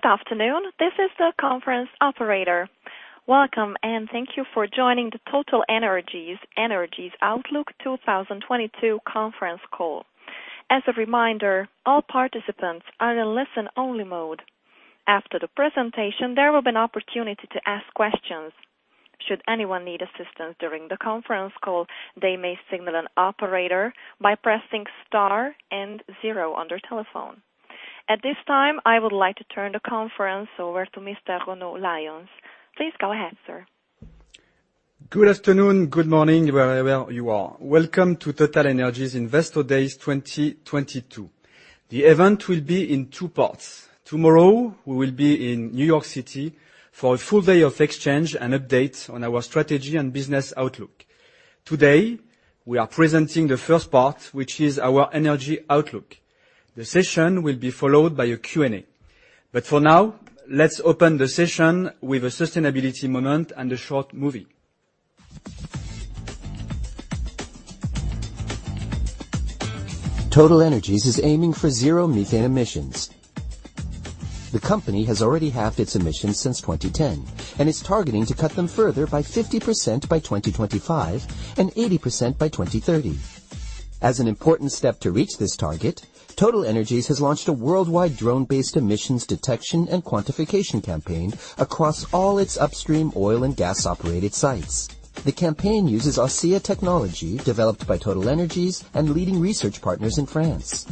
Good afternoon. This is the conference operator. Welcome, and thank you for joining the TotalEnergies Energy Outlook 2022 Conference Call. As a reminder, all participants are in listen-only mode. After the presentation, there will be an opportunity to ask questions. Should anyone need assistance during the conference call, they may signal an operator by pressing star and zero on their telephone. At this time, I would like to turn the conference over to Mr. Renaud Lions. Please go ahead, sir. Good afternoon. Good morning, wherever you are. Welcome to TotalEnergies Investor Days 2022. The event will be in two parts. Tomorrow, we will be in New York City for a full day of exchange and updates on our strategy and business outlook. Today, we are presenting the first part, which is our energy outlook. The session will be followed by a Q&A. For now, let's open the session with a sustainability moment and a short movie. TotalEnergies is aiming for zero methane emissions. The company has already halved its emissions since 2010, and it's targeting to cut them further by 50% by 2025, and 80% by 2030. As an important step to reach this target, TotalEnergies has launched a worldwide drone-based emissions detection and quantification campaign across all its upstream oil and gas-operated sites. The campaign uses AUSEA technology developed by TotalEnergies and leading research partners in France.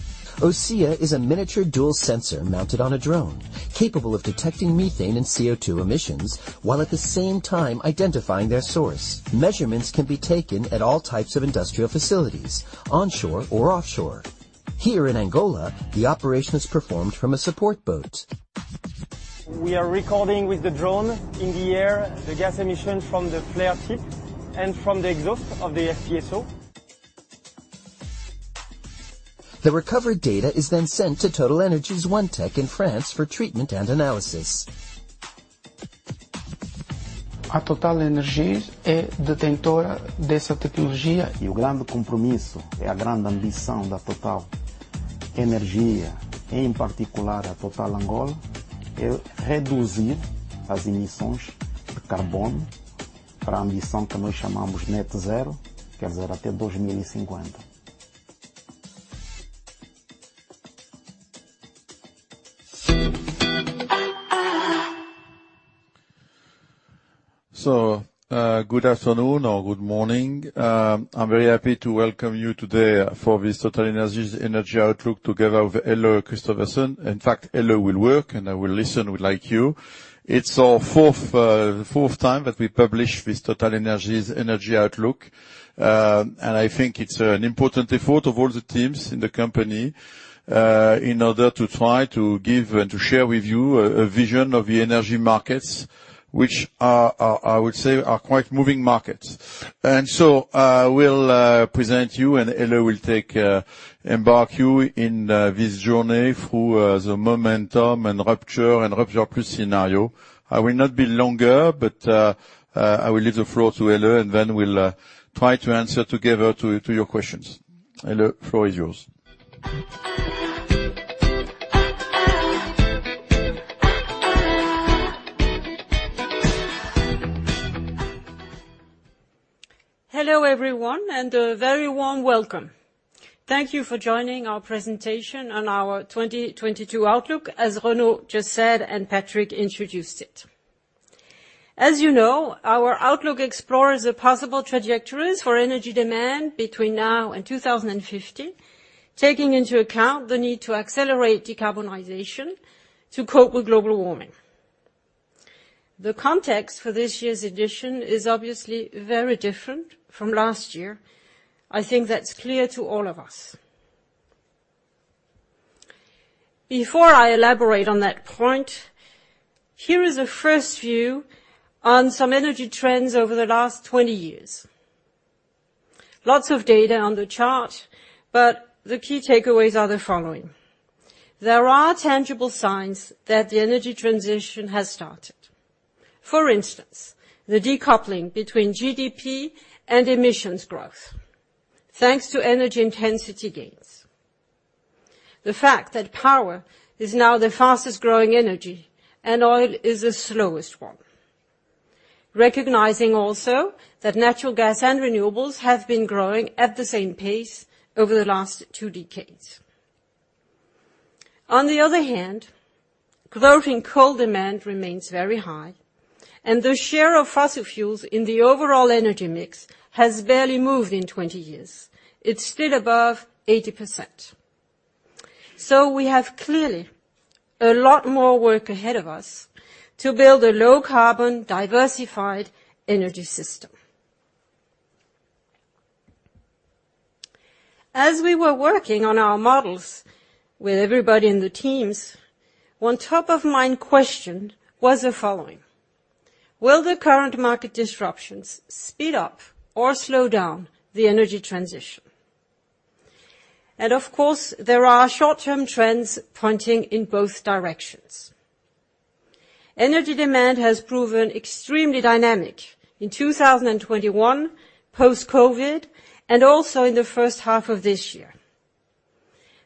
AUSEA is a miniature dual sensor mounted on a drone capable of detecting methane and CO2 emissions while at the same time identifying their source. Measurements can be taken at all types of industrial facilities, onshore or offshore. Here in Angola, the operation is performed from a support boat. We are recording with the drone in the air the gas emissions from the flare tip and from the exhaust of the FPSO. The recovered data is then sent to TotalEnergies OneTech in France for treatment and analysis. Good afternoon or good morning. I'm very happy to welcome you today for this TotalEnergies Energy Outlook together with Helle Kristoffersen. In fact, Helle will walk, and I will listen, like you. It's our fourth time that we publish this TotalEnergies Energy Outlook. I think it's an important effort of all the teams in the company in order to try to give and to share with you a vision of the energy markets, which are, I would say, quite moving markets. We'll present you, and Hello will embark you on this journey through the Momentum and Rupture scenario. I will not be long, but I will leave the floor to Helle, and then we'll try to answer together to your questions. Hello, floor is yours. Hello, everyone, and a very warm welcome. Thank you for joining our presentation on our 2022 outlook, as Renaud just said and Patrick introduced it. As you know, our outlook explores the possible trajectories for energy demand between now and 2050, taking into account the need to accelerate decarbonization to cope with global warming. The context for this year's edition is obviously very different from last year. I think that's clear to all of us. Before I elaborate on that point, here is a first view on some energy trends over the last 20 years. Lots of data on the chart, but the key takeaways are the following. There are tangible signs that the energy transition has started. For instance, the decoupling between GDP and emissions growth, thanks to energy intensity gains. The fact that power is now the fastest-growing energy and oil is the slowest one. Recognizing also that natural gas and renewables have been growing at the same pace over the last two decades. On the other hand, growth in coal demand remains very high, and the share of fossil fuels in the overall energy mix has barely moved in 20 years. It's still above 80%. We have clearly a lot more work ahead of us to build a low-carbon, diversified energy system. As we were working on our models with everybody in the teams, one top-of-mind question was the following: Will the current market disruptions speed up or slow down the energy transition? Of course, there are short-term trends pointing in both directions. Energy demand has proven extremely dynamic in 2021, post-COVID, and also in the first half of this year.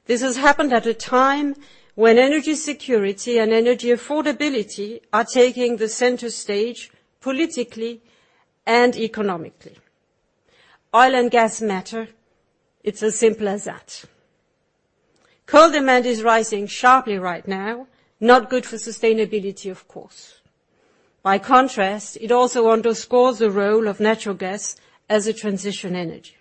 This has happened at a time when energy security and energy affordability are taking the center stage politically and economically. Oil and gas matter, it's as simple as that. Coal demand is rising sharply right now, not good for sustainability, of course. By contrast, it also underscores the role of natural gas as a transition energy.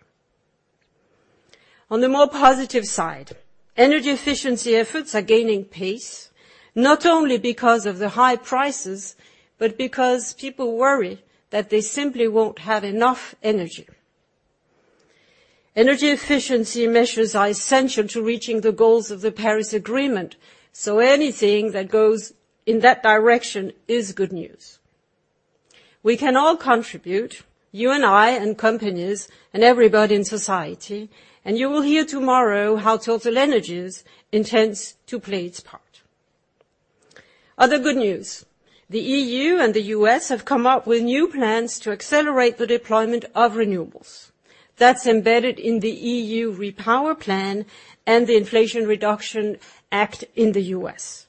On the more positive side, energy efficiency efforts are gaining pace, not only because of the high prices, but because people worry that they simply won't have enough energy. Energy efficiency measures are essential to reaching the goals of the Paris Agreement, so anything that goes in that direction is good news. We can all contribute, you and I, and companies, and everybody in society, and you will hear tomorrow how TotalEnergies intends to play its part. Other good news, the EU and the US have come up with new plans to accelerate the deployment of renewables. That's embedded in the REPowerEU Plan and the Inflation Reduction Act in the US.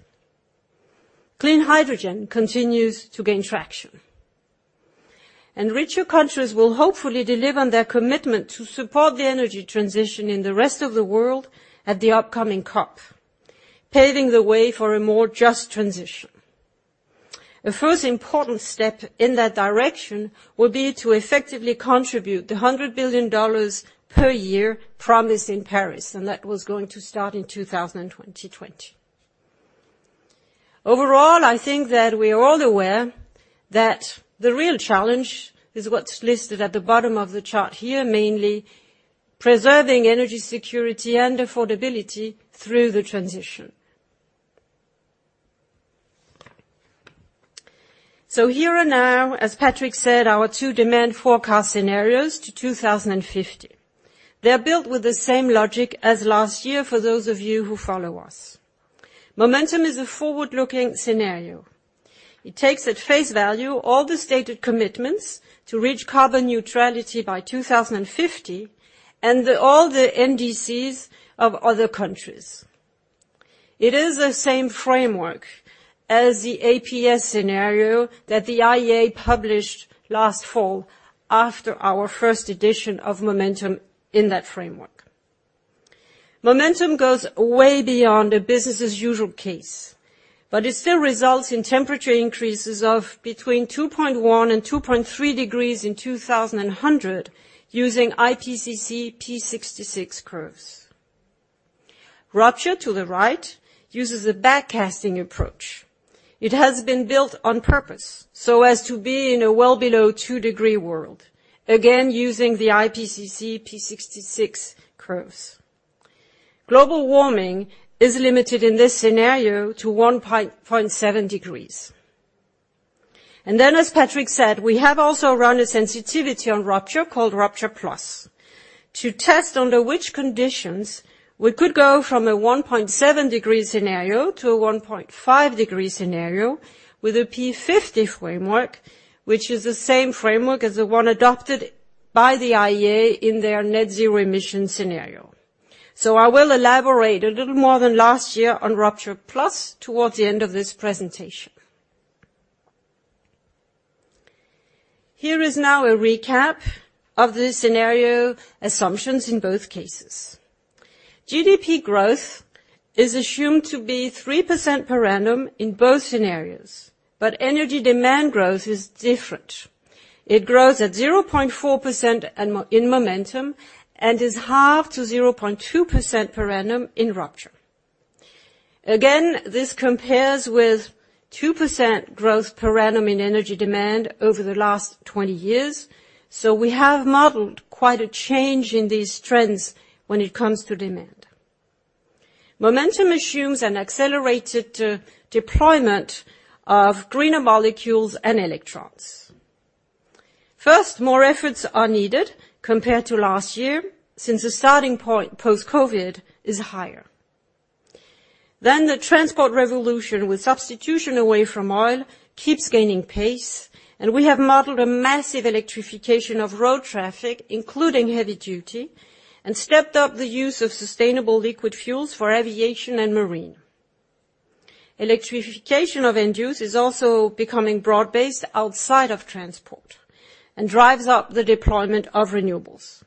Clean hydrogen continues to gain traction. Richer countries will hopefully deliver on their commitment to support the energy transition in the rest of the world at the upcoming COP, paving the way for a more just transition. The first important step in that direction will be to effectively contribute $100 billion per year promised in Paris, and that was going to start in 2020. Overall, I think that we are all aware that the real challenge is what's listed at the bottom of the chart here, mainly preserving energy security and affordability through the transition. Here are now, as Patrick said, our two demand forecast scenarios to 2050. They're built with the same logic as last year for those of you who follow us. Momentum is a forward-looking scenario. It takes at face value all the stated commitments to reach carbon neutrality by 2050 and all the NDCs of other countries. It is the same framework as the APS scenario that the IEA published last fall after our first edition of Momentum in that framework. Momentum goes way beyond a business as usual case, but it still results in temperature increases of between 2.1-2.3 degrees in 2100 using IPCC P66 curves. Rupture, to the right, uses a back casting approach. It has been built on purpose so as to be in a well below two-degree world. Again, using the IPCC P66 curves. Global warming is limited in this scenario to 1.7 degrees. As Patrick said, we have also run a sensitivity on Rupture called Rupture+ to test under which conditions we could go from a 1.7 degree scenario to a 1.5 degree scenario with a P50 framework, which is the same framework as the one adopted by the IEA in their net zero emissions scenario. I will elaborate a little more than last year on Rupture+ towards the end of this presentation. Here is now a recap of the scenario assumptions in both cases. GDP growth is assumed to be 3% per annum in both scenarios, but energy demand growth is different. It grows at 0.4% in Momentum and is halved to 0.2% per annum in Rupture. This compares with 2% growth per annum in energy demand over the last 20 years. We have modeled quite a change in these trends when it comes to demand. Momentum assumes an accelerated deployment of greener molecules and electrons. First, more efforts are needed compared to last year since the starting point post-COVID is higher. The transport revolution with substitution away from oil keeps gaining pace, and we have modeled a massive electrification of road traffic, including heavy duty, and stepped up the use of sustainable liquid fuels for aviation and marine. Electrification of end use is also becoming broad-based outside of transport and drives up the deployment of renewables.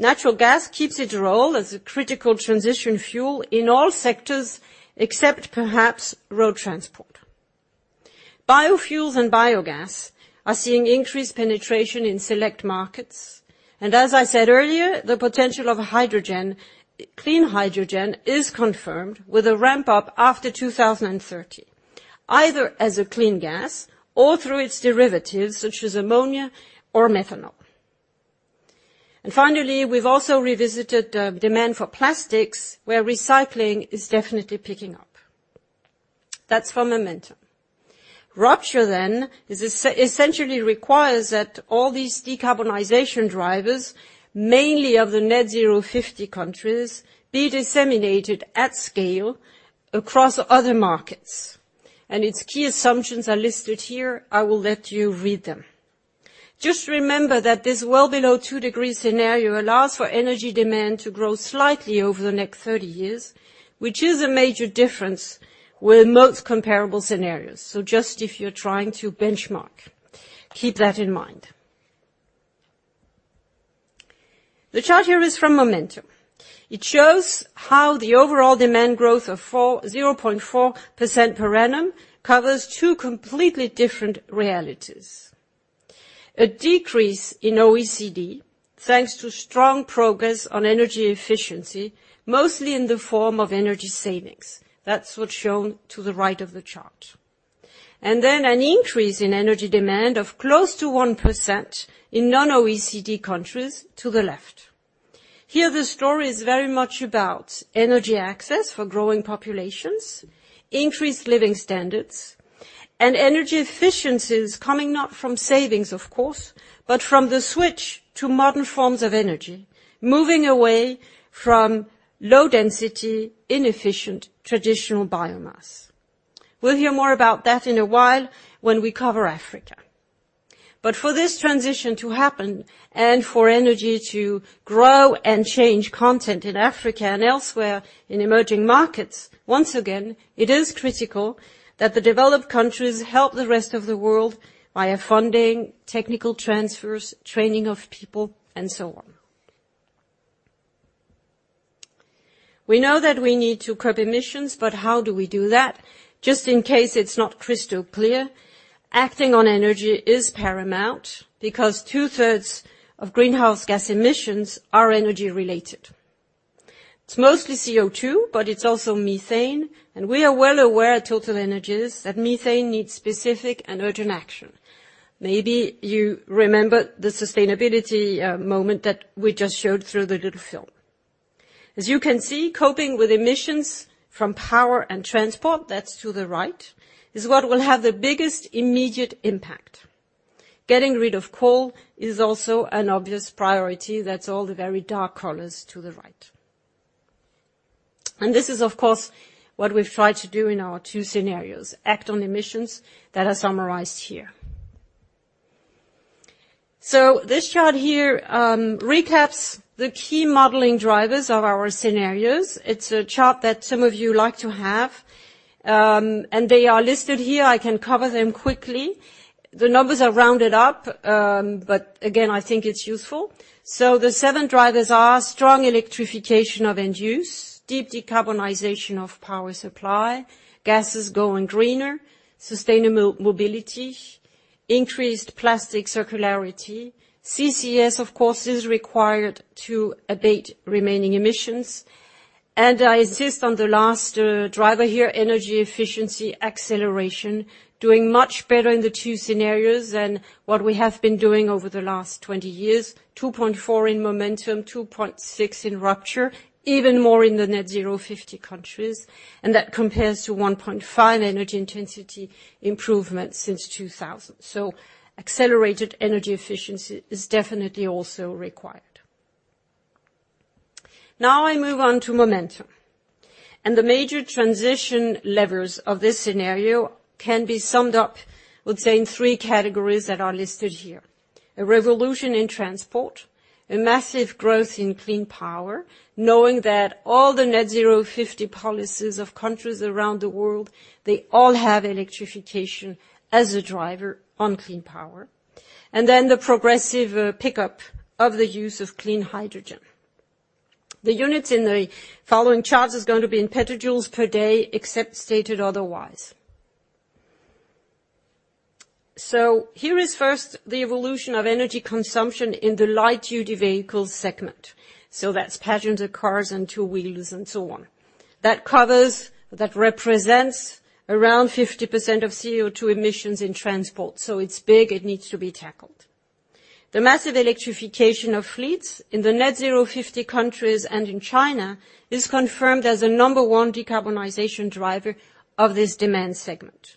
Natural gas keeps its role as a critical transition fuel in all sectors except perhaps road transport. Biofuels and biogas are seeing increased penetration in select markets. As I said earlier, the potential of hydrogen, clean hydrogen, is confirmed with a ramp up after 2030, either as a clean gas or through its derivatives such as ammonia or methanol. Finally, we've also revisited demand for plastics where recycling is definitely picking up. That's for Momentum. Rupture then is essentially requires that all these decarbonization drivers, mainly of the Net Zero 2050 countries, be disseminated at scale across other markets. Its key assumptions are listed here. I will let you read them. Just remember that this well below 2 degrees scenario allows for energy demand to grow slightly over the next 30 years, which is a major difference with most comparable scenarios. Just if you're trying to benchmark, keep that in mind. The chart here is from Momentum. It shows how the overall demand growth of 0.4% per annum covers two completely different realities. A decrease in OECD, thanks to strong progress on energy efficiency, mostly in the form of energy savings. That's what's shown to the right of the chart. An increase in energy demand of close to 1% in non-OECD countries to the left. Here, the story is very much about energy access for growing populations, increased living standards, and energy efficiencies coming not from savings, of course, but from the switch to modern forms of energy, moving away from low density, inefficient traditional biomass. We'll hear more about that in a while when we cover Africa. For this transition to happen and for energy to grow and change content in Africa and elsewhere in emerging markets, once again, it is critical that the developed countries help the rest of the world via funding, technical transfers, training of people, and so on. We know that we need to curb emissions, but how do we do that? Just in case it's not crystal clear, acting on energy is paramount because two-thirds of greenhouse gas emissions are energy-related. It's mostly CO2, but it's also methane, and we are well aware at TotalEnergies that methane needs specific and urgent action. Maybe you remember the sustainability, moment that we just showed through the little film. As you can see, coping with emissions from power and transport, that's to the right, is what will have the biggest immediate impact. Getting rid of coal is also an obvious priority. That's all the very dark colors to the right. This is, of course, what we've tried to do in our two scenarios: act on emissions that are summarized here. This chart here recaps the key modeling drivers of our scenarios. It's a chart that some of you like to have, and they are listed here. I can cover them quickly. The numbers are rounded up, but again, I think it's useful. The seven drivers are strong electrification of end use, deep decarbonization of power supply, gases going greener, sustainable mobility, increased plastic circularity. CCS, of course, is required to abate remaining emissions. I insist on the last driver here, energy efficiency acceleration, doing much better in the two scenarios than what we have been doing over the last 20 years, 2.4% in Momentum, 2.6% in Rupture, even more in the Net Zero 2050 countries, and that compares to 1.5% energy intensity improvement since 2000. So accelerated energy efficiency is definitely also required. Now I move on to Momentum. The major transition levers of this scenario can be summed up, I would say, in three categories that are listed here: a revolution in transport, a massive growth in clean power, knowing that all the Net Zero 2050 policies of countries around the world, they all have electrification as a driver on clean power, and then the progressive pickup of the use of clean hydrogen. The units in the following charts is going to be in petajoules per day except stated otherwise. Here is first the evolution of energy consumption in the light-duty vehicle segment. That's passenger cars and two wheels and so on. That covers, that represents around 50% of CO2 emissions in transport, so it's big. It needs to be tackled. The massive electrification of fleets in the Net Zero 2050 countries and in China is confirmed as a number one decarbonization driver of this demand segment.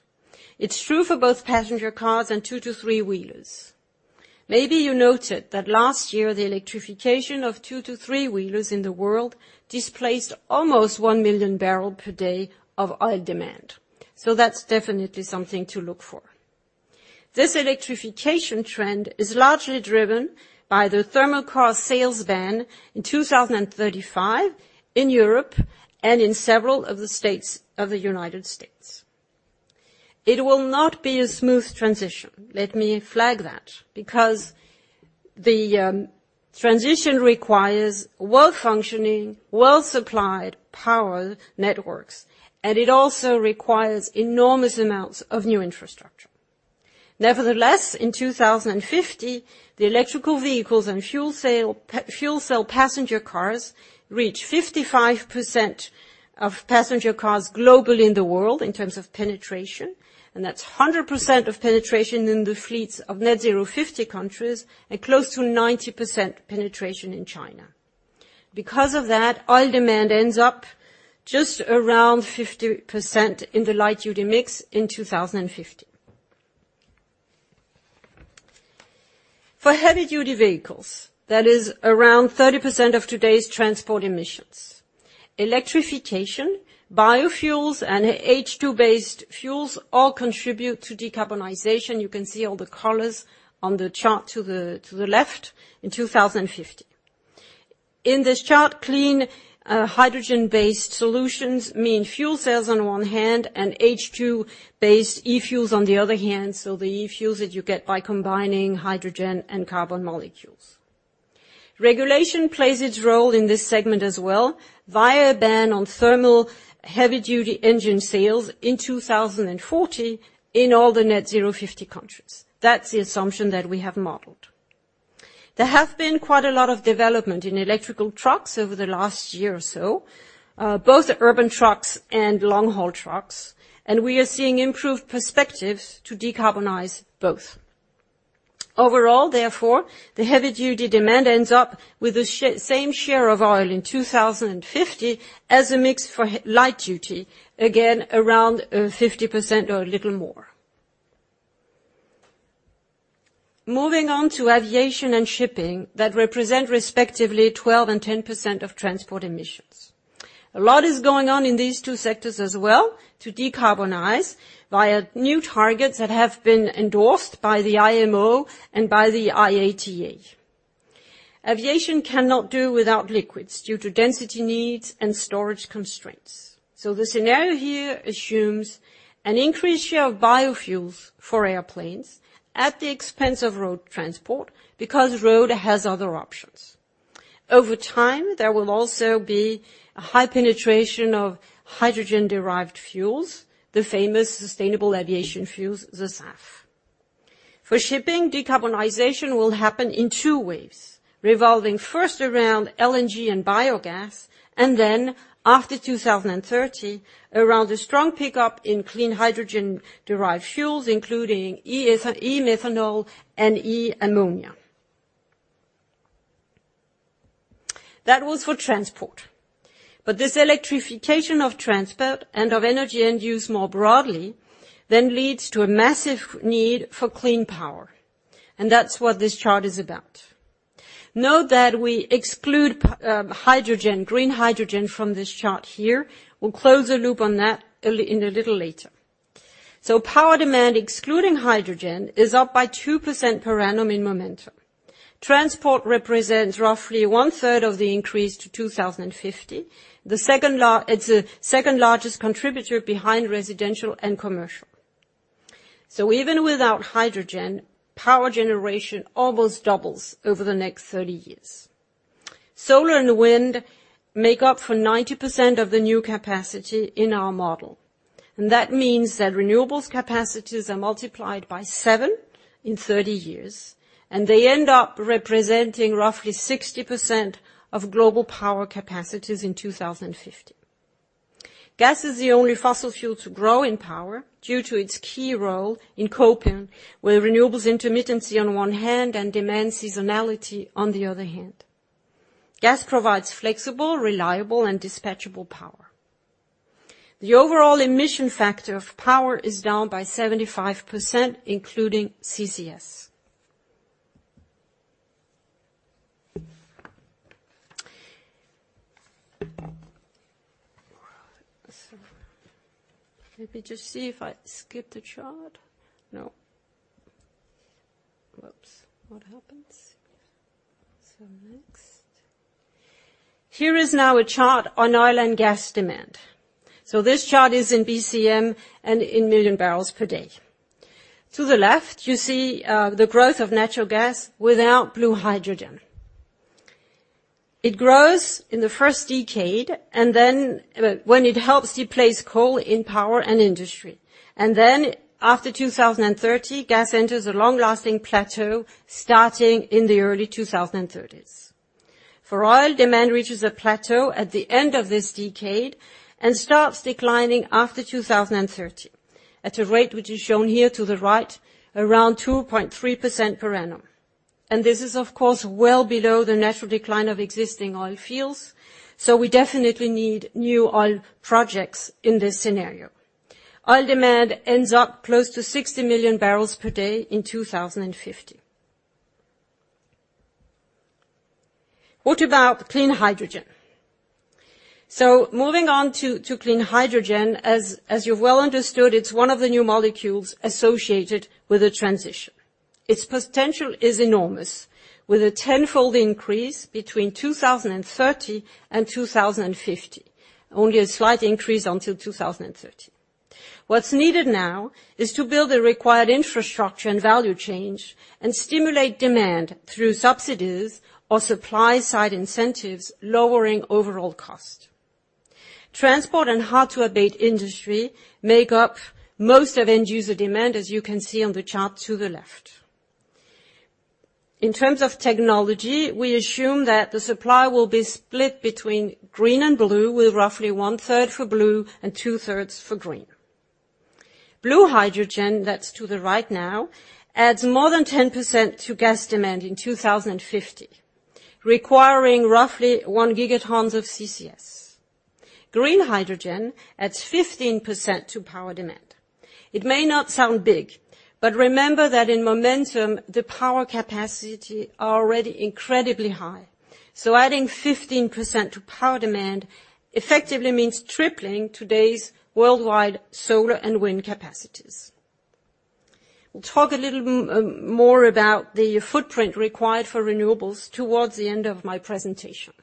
It's true for both passenger cars and two to three wheelers. Maybe you noted that last year, the electrification of two to three wheelers in the world displaced almost 1 million barrels per day of oil demand. That's definitely something to look for. This electrification trend is largely driven by the thermal car sales ban in 2035 in Europe and in several of the states of the United States. It will not be a smooth transition. Let me flag that, because the transition requires well-functioning, well-supplied power networks, and it also requires enormous amounts of new infrastructure. Nevertheless, in 2050, the electric vehicles and fuel cell passenger cars reach 55% of passenger cars globally in the world in terms of penetration, and that's 100% of penetration in the fleets of Net Zero 2050 countries and close to 90% penetration in China. Oil demand ends up just around 50% in the light-duty mix in 2050. For heavy-duty vehicles, that is around 30% of today's transport emissions. Electrification, biofuels, and H2-based fuels all contribute to decarbonization. You can see all the colors on the chart to the left in 2050. In this chart, clean hydrogen-based solutions mean fuel cells on one hand and H2-based e-fuels on the other hand, so the e-fuels that you get by combining hydrogen and carbon molecules. Regulation plays its role in this segment as well via a ban on thermal heavy-duty engine sales in 2040 in all the Net Zero 2050 countries. That's the assumption that we have modeled. There has been quite a lot of development in electric trucks over the last year or so, both the urban trucks and long-haul trucks, and we are seeing improved perspectives to decarbonize both. Overall, therefore, the heavy-duty demand ends up with the same share of oil in 2050 as a mix for light duty, again, around 50% or a little more. Moving on to aviation and shipping, that represent respectively 12% and 10% of transport emissions. A lot is going on in these two sectors as well to decarbonize via new targets that have been endorsed by the IMO and by the IATA. Aviation cannot do without liquids due to density needs and storage constraints. The scenario here assumes an increased share of biofuels for airplanes at the expense of road transport because road has other options. Over time, there will also be a high penetration of hydrogen-derived fuels, the famous sustainable aviation fuels, the SAF. For shipping, decarbonization will happen in two ways, revolving first around LNG and biogas, and then after 2030 around a strong pickup in clean hydrogen-derived fuels, including e-ethanol and e-methanol and e-ammonia. That was for transport. This electrification of transport and of energy end use more broadly then leads to a massive need for clean power. That's what this chart is about. Note that we exclude hydrogen, green hydrogen from this chart here. We'll close the loop on that in a little later. Power demand, excluding hydrogen, is up by 2% per annum in Momentum. Transport represents roughly one-third of the increase to 2050. It's the second-largest contributor behind residential and commercial. Even without hydrogen, power generation almost doubles over the next 30 years. Solar and wind make up for 90% of the new capacity in our model, and that means that renewables capacities are multiplied by seven in 30 years, and they end up representing roughly 60% of global power capacities in 2050. Gas is the only fossil fuel to grow in power due to its key role in coping with renewables intermittency on one hand and demand seasonality on the other hand. Gas provides flexible, reliable, and dispatchable power. The overall emission factor of power is down by 75%, including CCS. Let me just see if I skipped a chart. No. Next. Here is now a chart on oil and gas demand. This chart is in BCM and in million barrels per day. To the left, you see the growth of natural gas without blue hydrogen. It grows in the first decade, and then when it helps replace coal in power and industry. Then after 2030, gas enters a long-lasting plateau starting in the early 2030s. For oil, demand reaches a plateau at the end of this decade and starts declining after 2030 at a rate which is shown here to the right around 2.3% per annum. This is, of course, well below the natural decline of existing oil fields, so we definitely need new oil projects in this scenario. Oil demand ends up close to 60 million barrels per day in 2050. What about clean hydrogen? Moving on to clean hydrogen, as you've well understood, it's one of the new molecules associated with the transition. Its potential is enormous, with a tenfold increase between 2030 and 2050. Only a slight increase until 2030. What's needed now is to build the required infrastructure and value change and stimulate demand through subsidies or supply-side incentives, lowering overall cost. Transport and hard-to-abate industry make up most of end-user demand, as you can see on the chart to the left. In terms of technology, we assume that the supply will be split between green and blue, with roughly one-third for blue and two-thirds for green. Blue hydrogen, that's to the right now, adds more than 10% to gas demand in 2050, requiring roughly one gigaton of CCS. Green hydrogen adds 15% to power demand. It may not sound big, but remember that in Momentum, the power capacity are already incredibly high. Adding 15% to power demand effectively means tripling today's worldwide solar and wind capacities. We'll talk a little more about the footprint required for renewables towards the end of my presentation.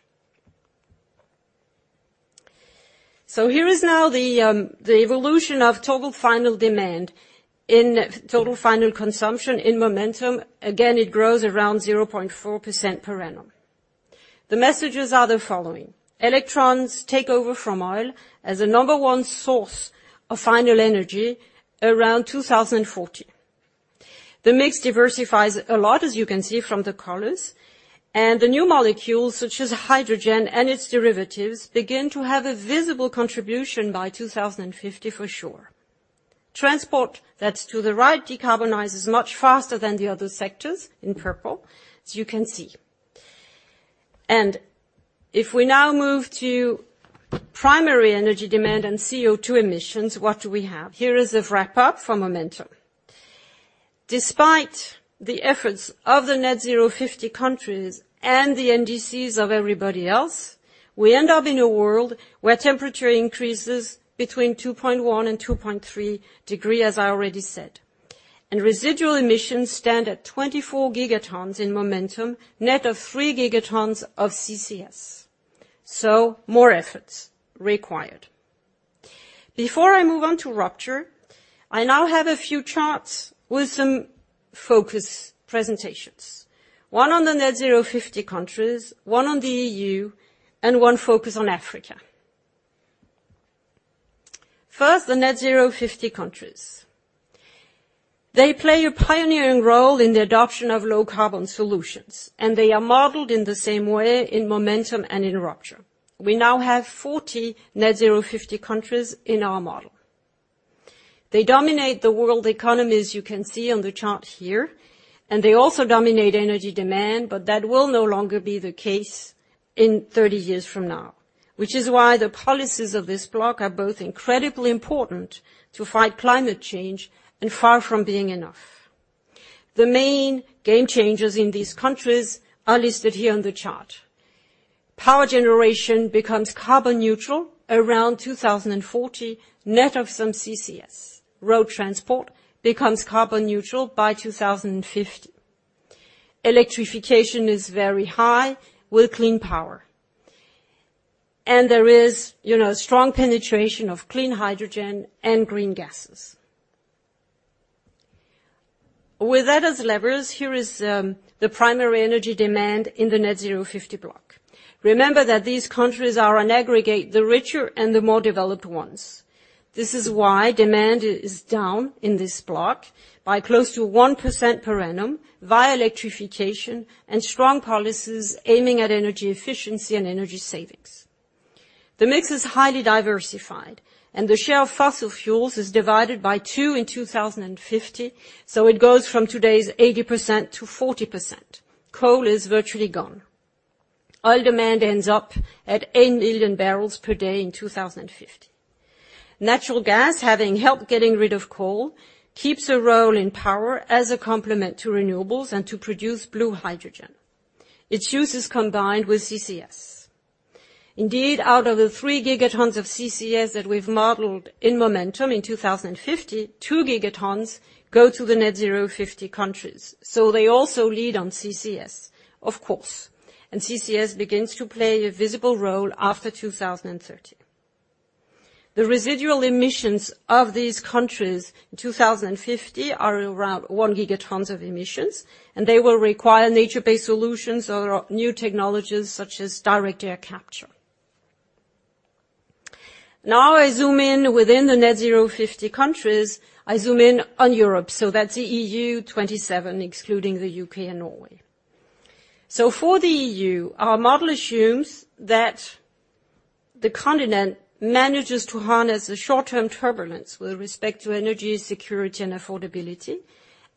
Here is now the evolution of total final demand in total final consumption in Momentum. Again, it grows around 0.4% per annum. The messages are the following: Electrons take over from oil as a number one source of final energy around 2040. The mix diversifies a lot, as you can see from the colors, and the new molecules, such as hydrogen and its derivatives, begin to have a visible contribution by 2050 for sure. Transport, that's to the right, decarbonizes much faster than the other sectors, in purple, as you can see. If we now move to primary energy demand and CO2 emissions, what do we have? Here is a wrap-up for Momentum. Despite the efforts of the Net Zero 2050 countries and the NDCs of everybody else, we end up in a world where temperature increases between 2.1 and 2.3 degrees, as I already said. Residual emissions stand at 24 gigatons in Momentum, net of 3 gigatons of CCS. More efforts required. Before I move on to Rupture, I now have a few charts with some focus presentations. One on the Net Zero 2050, one on the EU, and one focus on Africa. First, the Net Zero 2050 countries. They play a pioneering role in the adoption of low carbon solutions, and they are modeled in the same way in Momentum and in Rupture. We now have 40 Net Zero 2050 countries in our model. They dominate the world economies, you can see on the chart here, and they also dominate energy demand, but that will no longer be the case in 30 years from now, which is why the policies of this block are both incredibly important to fight climate change and far from being enough. The main game changers in these countries are listed here on the chart. Power generation becomes carbon neutral around 2040, net of some CCS. Road transport becomes carbon neutral by 2050. Electrification is very high with clean power. There is, you know, strong penetration of clean hydrogen and green gases. With that as levers, here is the primary energy demand in the Net Zero 50 block. Remember that these countries are on aggregate, the richer and the more developed ones. This is why demand is down in this block by close to 1% per annum via electrification and strong policies aiming at energy efficiency and energy savings. The mix is highly diversified, and the share of fossil fuels is divided by two in 2050, so it goes from today's 80% to 40%. Coal is virtually gone. Oil demand ends up at 8 million barrels per day in 2050. Natural gas, having helped getting rid of coal, keeps a role in power as a complement to renewables and to produce blue hydrogen. Its use is combined with CCS. Indeed, out of the 3 gigatons of CCS that we've modeled in Momentum in 2050, 2 gigatons go to the Net Zero 2050 countries. They also lead on CCS, of course, and CCS begins to play a visible role after 2030. The residual emissions of these countries in 2050 are around 1 gigatons of emissions, and they will require nature-based solutions or new technologies such as direct air capture. Now, I zoom in within the Net Zero 2050, I zoom in on Europe, so that's the E.U. 27, excluding the U.K. and Norway. For the E.U., our model assumes that the continent manages to harness the short-term turbulence with respect to energy security and affordability,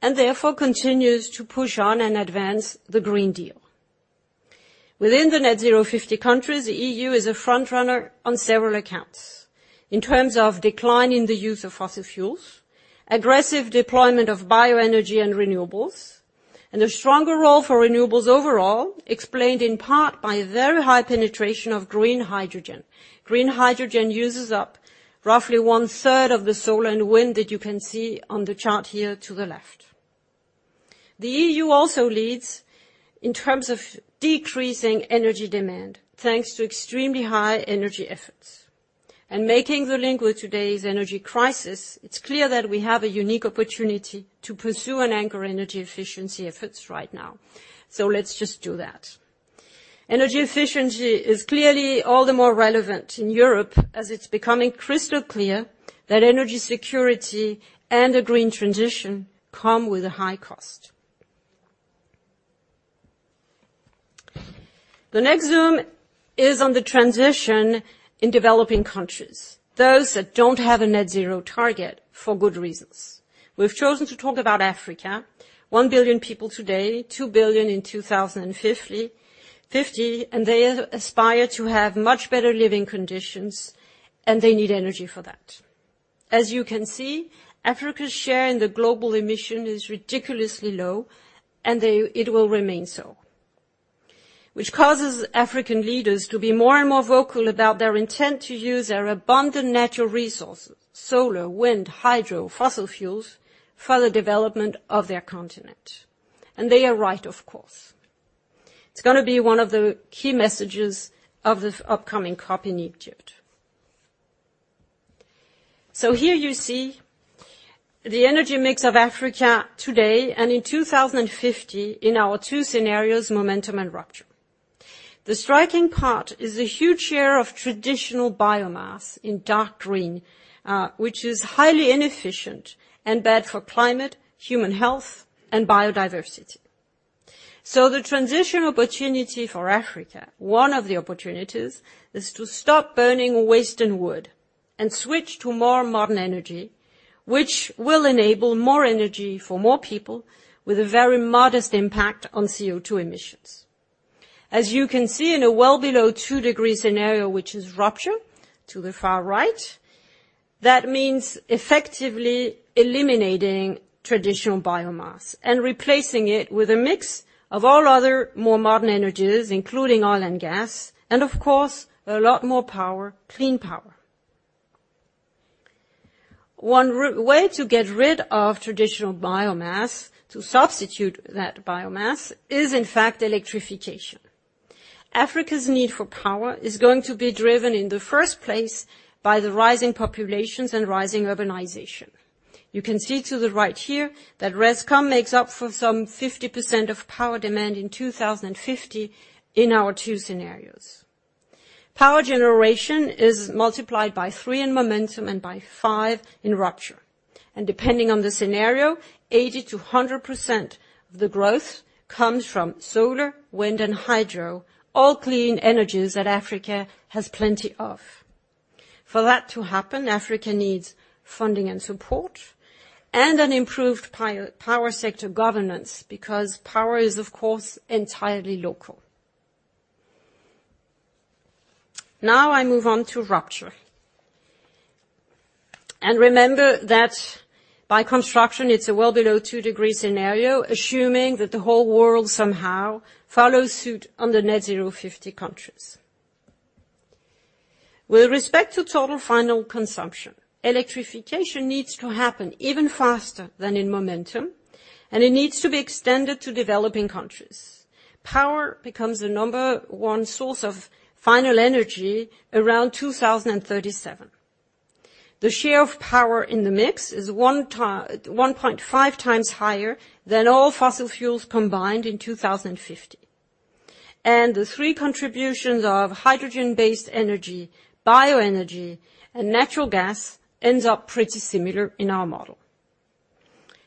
and therefore continues to push on and advance the Green Deal. Within the Net Zero 2050 countries, the E.U. is a front runner on several accounts. In terms of decline in the use of fossil fuels, aggressive deployment of bioenergy and renewables, and a stronger role for renewables overall, explained in part by very high penetration of green hydrogen. Green hydrogen uses up roughly one-third of the solar and wind that you can see on the chart here to the left. The EU also leads in terms of decreasing energy demand, thanks to extremely high energy efforts. Making the link with today's energy crisis, it's clear that we have a unique opportunity to pursue and anchor energy efficiency efforts right now. Let's just do that. Energy efficiency is clearly all the more relevant in Europe as it's becoming crystal clear that energy security and a green transition come with a high cost. The next zoom is on the transition in developing countries, those that don't have a net zero target for good reasons. We've chosen to talk about Africa. 1 billion people today, 2 billion in 2050, and they aspire to have much better living conditions, and they need energy for that. As you can see, Africa's share in the global emissions is ridiculously low, and it will remain so. Which causes African leaders to be more and more vocal about their intent to use their abundant natural resources, solar, wind, hydro, fossil fuels, for the development of their continent. They are right, of course. It's gonna be one of the key messages of the upcoming COP in Egypt. Here you see the energy mix of Africa today and in 2050 in our two scenarios, Momentum and Rupture. The striking part is the huge share of traditional biomass in dark green, which is highly inefficient and bad for climate, human health, and biodiversity. The transition opportunity for Africa, one of the opportunities, is to stop burning waste and wood and switch to more modern energy, which will enable more energy for more people with a very modest impact on CO₂ emissions. As you can see in a well below 2-degree scenario, which is Rupture to the far right, that means effectively eliminating traditional biomass and replacing it with a mix of all other more modern energies, including oil and gas, and of course, a lot more power, clean power. One way to get rid of traditional biomass to substitute that biomass is in fact electrification. Africa's need for power is going to be driven in the first place by the rising population and rising urbanization. You can see to the right here that ResCom makes up for some 50% of power demand in 2050 in our two scenarios. Power generation is multiplied by three in Momentum and by five in Rupture. Depending on the scenario, 80%-100% of the growth comes from solar, wind, and hydro, all clean energies that Africa has plenty of. For that to happen, Africa needs funding and support and an improved power sector governance, because power is, of course, entirely local. Now I move on to Rupture. Remember that by construction, it's a well-below 2-degree scenario, assuming that the whole world somehow follows suit on the Net Zero 2050 countries. With respect to total final consumption, electrification needs to happen even faster than in Momentum, and it needs to be extended to developing countries. Power becomes the number one source of final energy around 2037. The share of power in the mix is 1.5 times higher than all fossil fuels combined in 2050. The three contributions of hydrogen-based energy, bioenergy, and natural gas ends up pretty similar in our model.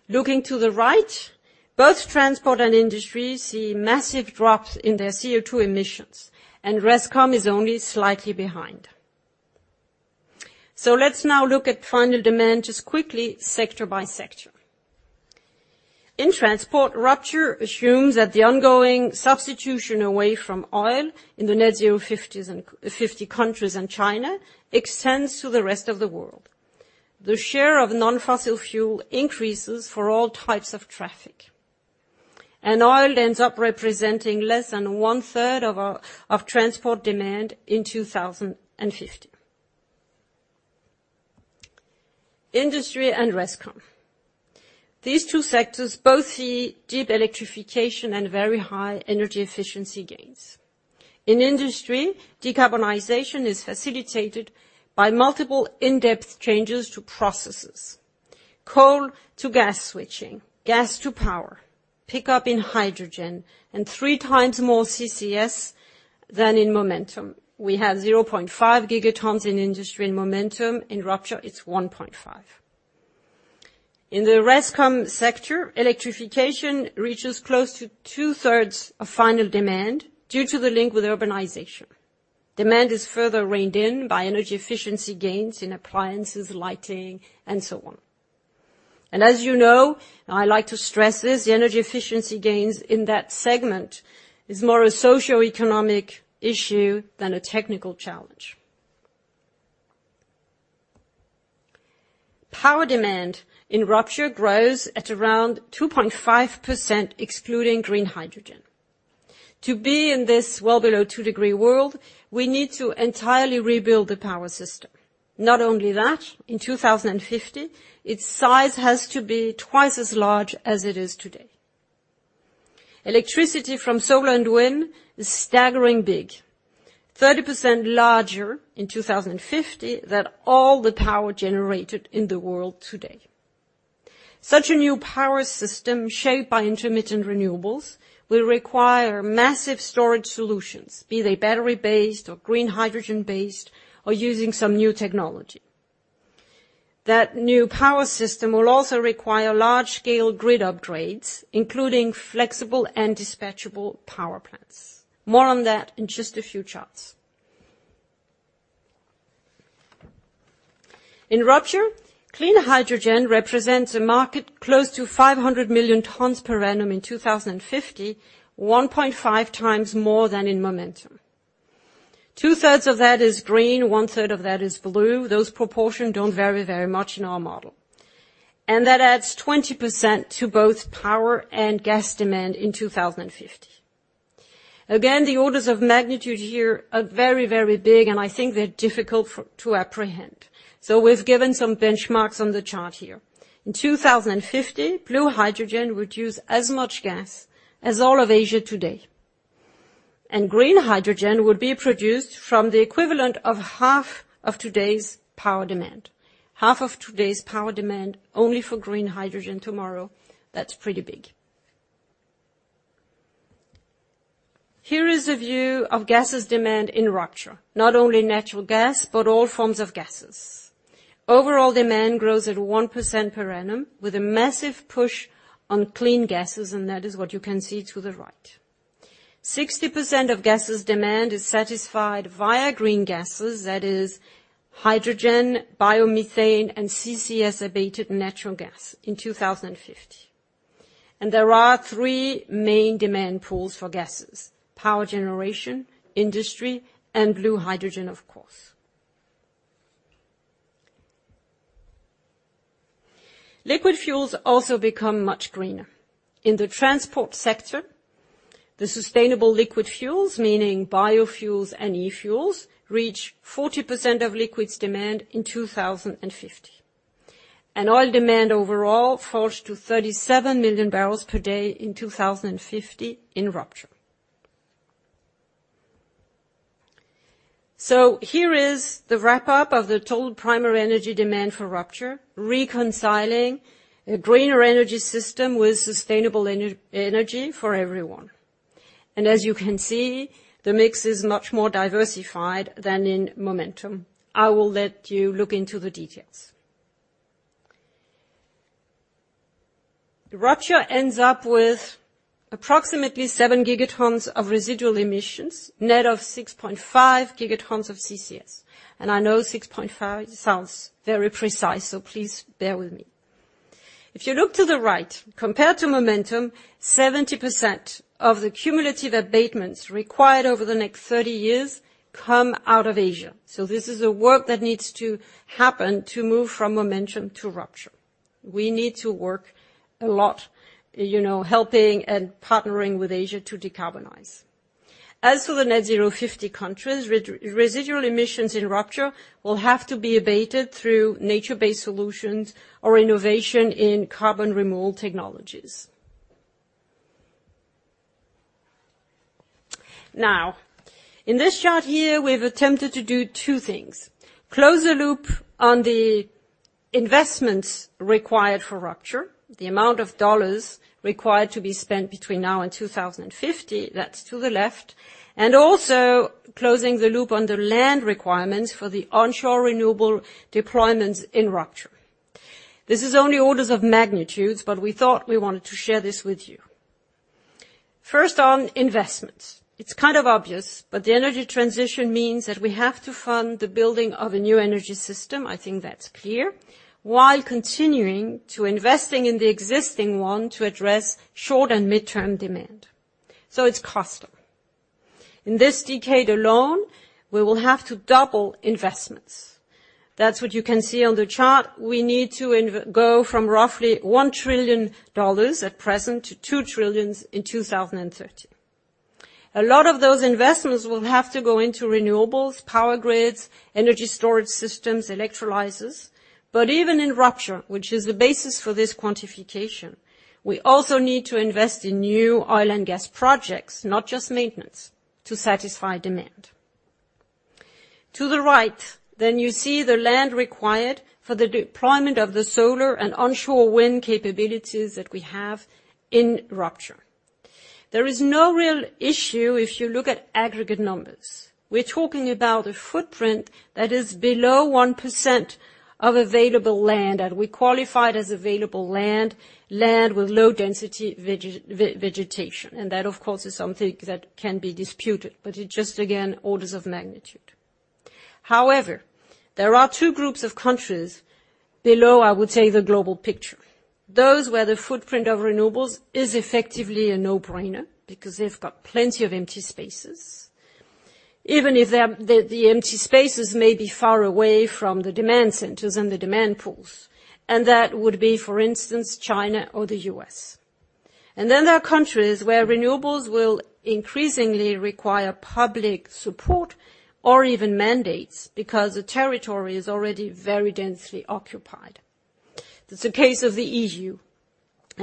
Looking to the right, both transport and industry see massive drops in their CO₂ emissions, and ResCom is only slightly behind. Let's now look at final demand just quickly sector by sector. In transport, Rupture assumes that the ongoing substitution away from oil in the Net Zero 50s and 50 countries and China extends to the rest of the world. The share of non-fossil fuel increases for all types of traffic. Oil ends up representing less than 1/3 of transport demand in 2050. Industry and ResCom. These two sectors both see deep electrification and very high energy efficiency gains. In industry, decarbonization is facilitated by multiple in-depth changes to processes. Coal to gas switching, gas to power, pickup in hydrogen, and 3 times more CCS than in momentum. We have 0.5 gigatons in industry and momentum. In rupture, it's 1.5. In the ResCom sector, electrification reaches close to 2/3 of final demand due to the link with urbanization. Demand is further reined in by energy efficiency gains in appliances, lighting, and so on. As you know, I like to stress this, the energy efficiency gains in that segment is more a socioeconomic issue than a technical challenge. Power demand in Rupture grows at around 2.5% excluding green hydrogen. To be in this well below two degree world, we need to entirely rebuild the power system. Not only that, in 2050, its size has to be twice as large as it is today. Electricity from solar and wind is staggering big, 30% larger in 2050 than all the power generated in the world today. Such a new power system shaped by intermittent renewables will require massive storage solutions, be they battery-based or green hydrogen-based or using some new technology. That new power system will also require large scale grid upgrades, including flexible and dispatchable power plants. More on that in just a few charts. In Rupture, clean hydrogen represents a market close to 500 million tons per annum in 2050, 1.5 times more than in Momentum. Two-thirds of that is green, one-third of that is blue. Those proportions don't vary very much in our model. That adds 20% to both power and gas demand in 2050. Again, the orders of magnitude here are very, very big, and I think they're difficult to apprehend. So we've given some benchmarks on the chart here. In 2050, blue hydrogen would use as much gas as all of Asia today. Green hydrogen would be produced from the equivalent of half of today's power demand. Half of today's power demand only for green hydrogen tomorrow, that's pretty big. Here is a view of gases demand in Rupture, not only natural gas, but all forms of gases. Overall demand grows at 1% per annum with a massive push on clean gases, and that is what you can see to the right. 60% of gases demand is satisfied via green gases, that is hydrogen, biomethane, and CCS-abated natural gas in 2050. There are three main demand pools for gases: power generation, industry, and blue hydrogen, of course. Liquid fuels also become much greener. In the transport sector, the sustainable liquid fuels, meaning biofuels and e-fuels, reach 40% of liquids demand in 2050. Oil demand overall falls to 37 million barrels per day in 2050 in Rupture. Here is the wrap-up of the total primary energy demand for Rupture, reconciling a greener energy system with sustainable energy for everyone. As you can see, the mix is much more diversified than in Momentum. I will let you look into the details. The Rupture ends up with approximately 7 gigatons of residual emissions, net of 6.5 gigatons of CCS. I know 6.5 sounds very precise, so please bear with me. If you look to the right, compared to Momentum, 70% of the cumulative abatements required over the next 30 years come out of Asia. This is a work that needs to happen to move from Momentum to Rupture. We need to work a lot, you know, helping and partnering with Asia to decarbonize. As for the Net Zero 2050 countries, residual emissions in Rupture will have to be abated through nature-based solutions or innovation in carbon removal technologies. Now, in this chart here, we've attempted to do two things, close the loop on the investments required for Rupture, the amount of dollars required to be spent between now and 2050, that's to the left, and also closing the loop on the land requirements for the onshore renewable deployments in Rupture. This is only orders of magnitudes, but we thought we wanted to share this with you. First on investments. It's kind of obvious, but the energy transition means that we have to fund the building of a new energy system, I think that's clear, while continuing to investing in the existing one to address short and mid-term demand. It's costly. In this decade alone, we will have to double investments. That's what you can see on the chart. We need to go from roughly $1 trillion at present to $2 trillions in 2030. A lot of those investments will have to go into renewables, power grids, energy storage systems, electrolyzers. Even in Rupture, which is the basis for this quantification, we also need to invest in new oil and gas projects, not just maintenance, to satisfy demand. To the right, then you see the land required for the deployment of the solar and onshore wind capabilities that we have in Rupture. There is no real issue if you look at aggregate numbers. We're talking about a footprint that is below 1% of available land, and we qualify it as available land with low density vegetation. That, of course, is something that can be disputed, but it's just, again, orders of magnitude. However, there are two groups of countries below, I would say, the global picture. Those where the footprint of renewables is effectively a no-brainer because they've got plenty of empty spaces, even if the empty spaces may be far away from the demand centers and the demand pools. That would be, for instance, China or the U.S. Then there are countries where renewables will increasingly require public support or even mandates because the territory is already very densely occupied. That's the case of the EU.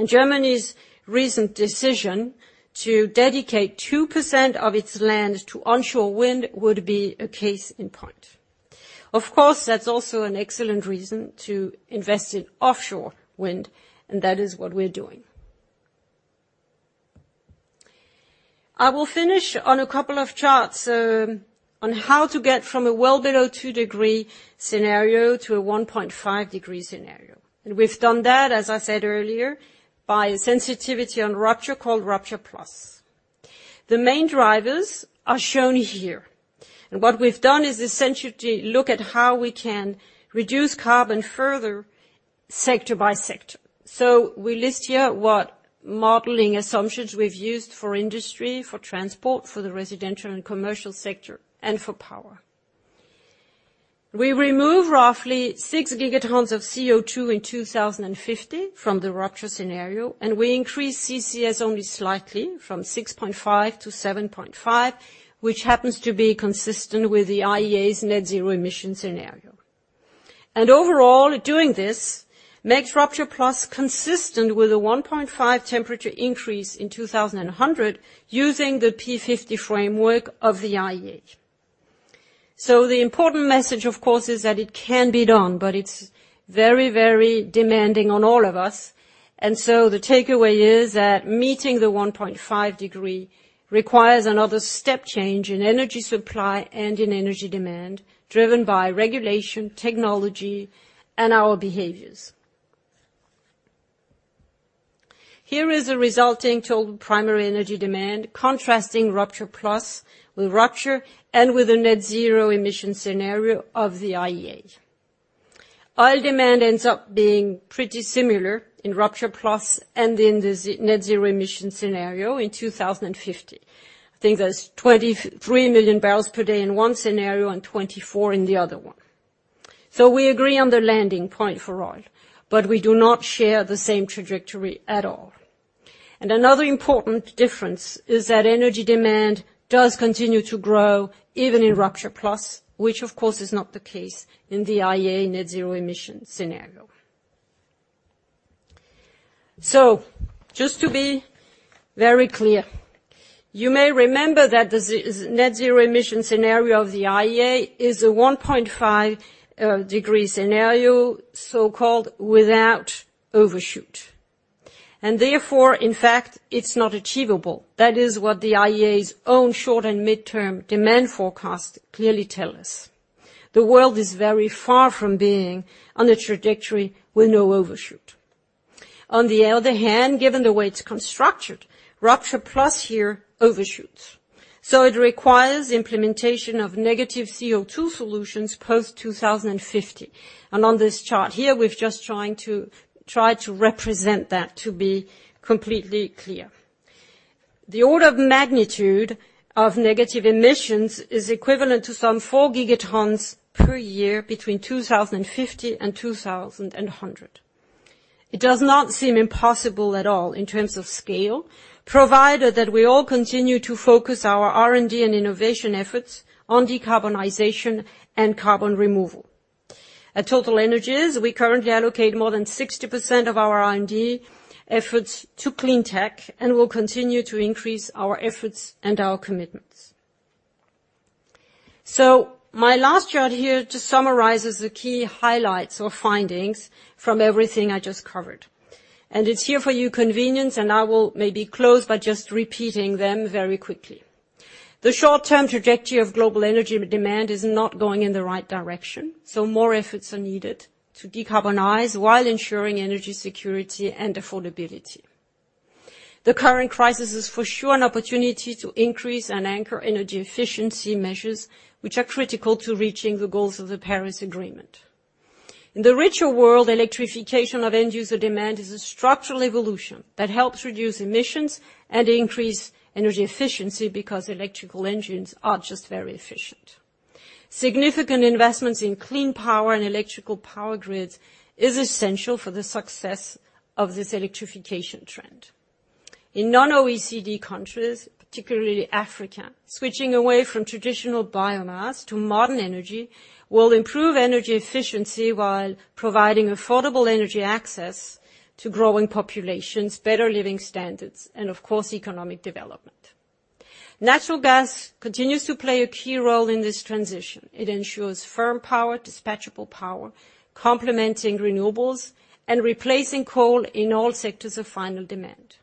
Germany's recent decision to dedicate 2% of its land to onshore wind would be a case in point. Of course, that's also an excellent reason to invest in offshore wind, and that is what we're doing. I will finish on a couple of charts on how to get from a well below 2-degree scenario to a 1.5-degree scenario. We've done that, as I said earlier, by sensitivity on Rupture called Rupture+. The main drivers are shown here. What we've done is essentially look at how we can reduce carbon further sector by sector. We list here what modeling assumptions we've used for industry, for transport, for the residential and commercial sector, and for power. We remove roughly 6 gigatons of CO2 in 2050 from the Rupture scenario, and we increase CCS only slightly from 6.5 to 7.5, which happens to be consistent with the IEA's net zero emissions scenario. Overall, doing this makes Rupture+ consistent with a 1.5 temperature increase in 2100, using the P50 framework of the IEA. The important message, of course, is that it can be done, but it's very, very demanding on all of us. The takeaway is that meeting the 1.5 degree requires another step change in energy supply and in energy demand, driven by regulation, technology, and our behaviors. Here is a resulting total primary energy demand contrasting Rupture+ with Rupture and with a net zero emissions scenario of the IEA. Oil demand ends up being pretty similar in Rupture+ and in the IEA net zero emissions scenario in 2050. I think that's 23 million barrels per day in one scenario and 24 in the other one. We agree on the landing point for oil, but we do not share the same trajectory at all. Another important difference is that energy demand does continue to grow even in Rupture+, which of course is not the case in the IEA net zero emissions scenario. Just to be very clear, you may remember that the net zero emission scenario of the IEA is a 1.5-degree scenario, so-called without overshoot. Therefore, in fact, it's not achievable. That is what the IEA's own short and midterm demand forecast clearly tell us. The world is very far from being on a trajectory with no overshoot. On the other hand, given the way it's constructed, Rupture+ here overshoots, so it requires implementation of negative CO2 solutions post 2050. On this chart here, we've just tried to represent that to be completely clear. The order of magnitude of negative emissions is equivalent to some 4 gigatons per year between 2050 and 2100. It does not seem impossible at all in terms of scale, provided that we all continue to focus our R&D and innovation efforts on decarbonization and carbon removal. At TotalEnergies, we currently allocate more than 60% of our R&D efforts to clean tech and will continue to increase our efforts and our commitments. My last chart here just summarizes the key highlights or findings from everything I just covered, and it's here for your convenience, and I will maybe close by just repeating them very quickly. The short-term trajectory of global energy demand is not going in the right direction, so more efforts are needed to decarbonize while ensuring energy security and affordability. The current crisis is for sure an opportunity to increase and anchor energy efficiency measures which are critical to reaching the goals of the Paris Agreement. In the richer world, electrification of end user demand is a structural evolution that helps reduce emissions and increase energy efficiency because electrical engines are just very efficient. Significant investments in clean power and electrical power grids is essential for the success of this electrification trend. In non-OECD countries, particularly Africa, switching away from traditional biomass to modern energy will improve energy efficiency while providing affordable energy access to growing populations, better living standards, and of course, economic development. Natural gas continues to play a key role in this transition. It ensures firm power, dispatchable power, complementing renewables and replacing coal in all sectors of final demand.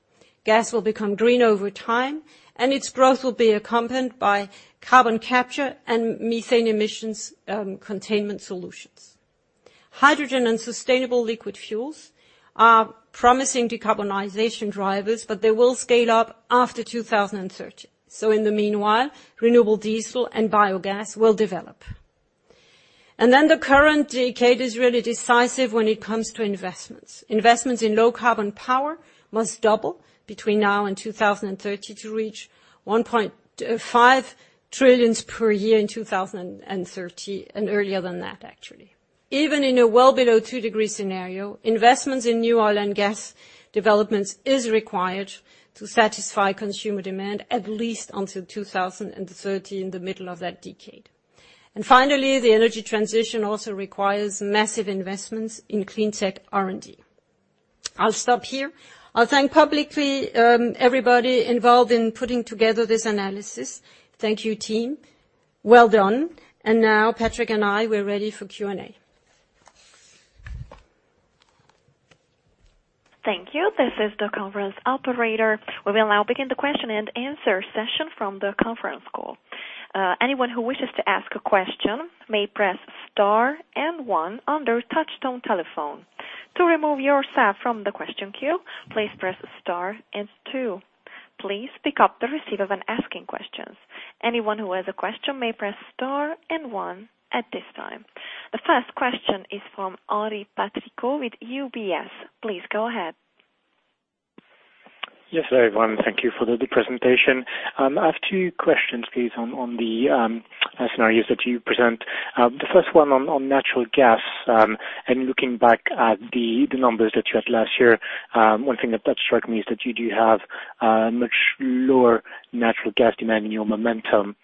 Gas will become green over time, and its growth will be accompanied by carbon capture and methane emissions, containment solutions. Hydrogen and sustainable liquid fuels are promising decarbonization drivers, but they will scale up after 2030. In the meanwhile, renewable diesel and biogas will develop. The current decade is really decisive when it comes to investments. Investments in low-carbon power must double between now and 2030 to reach $1.5 trillion per year in 2030, and earlier than that actually. Even in a well below 2 degree scenario, investments in new oil and gas developments is required to satisfy consumer demand at least until 2030, in the middle of that decade. Finally, the energy transition also requires massive investments in clean tech R&D. I'll stop here. I'll thank publicly everybody involved in putting together this analysis. Thank you, team. Well done. Now Patrick and I, we're ready for Q&A. Thank you. This is the conference operator. We will now begin the question-and-answer session from the conference call. Anyone who wishes to ask a question may press star and one on their touchtone telephone. To remove yourself from the question queue, please press star and two. Please pick up the receiver when asking questions. Anyone who has a question may press star and one at this time. The first question is from Henri Patricot with UBS. Please go ahead. Yes, everyone, thank you for the presentation. I have two questions, please, on the scenarios that you present. The first one on natural gas and looking back at the numbers that you had last year, one thing that struck me is that you do have much lower natural gas demand in your Momentum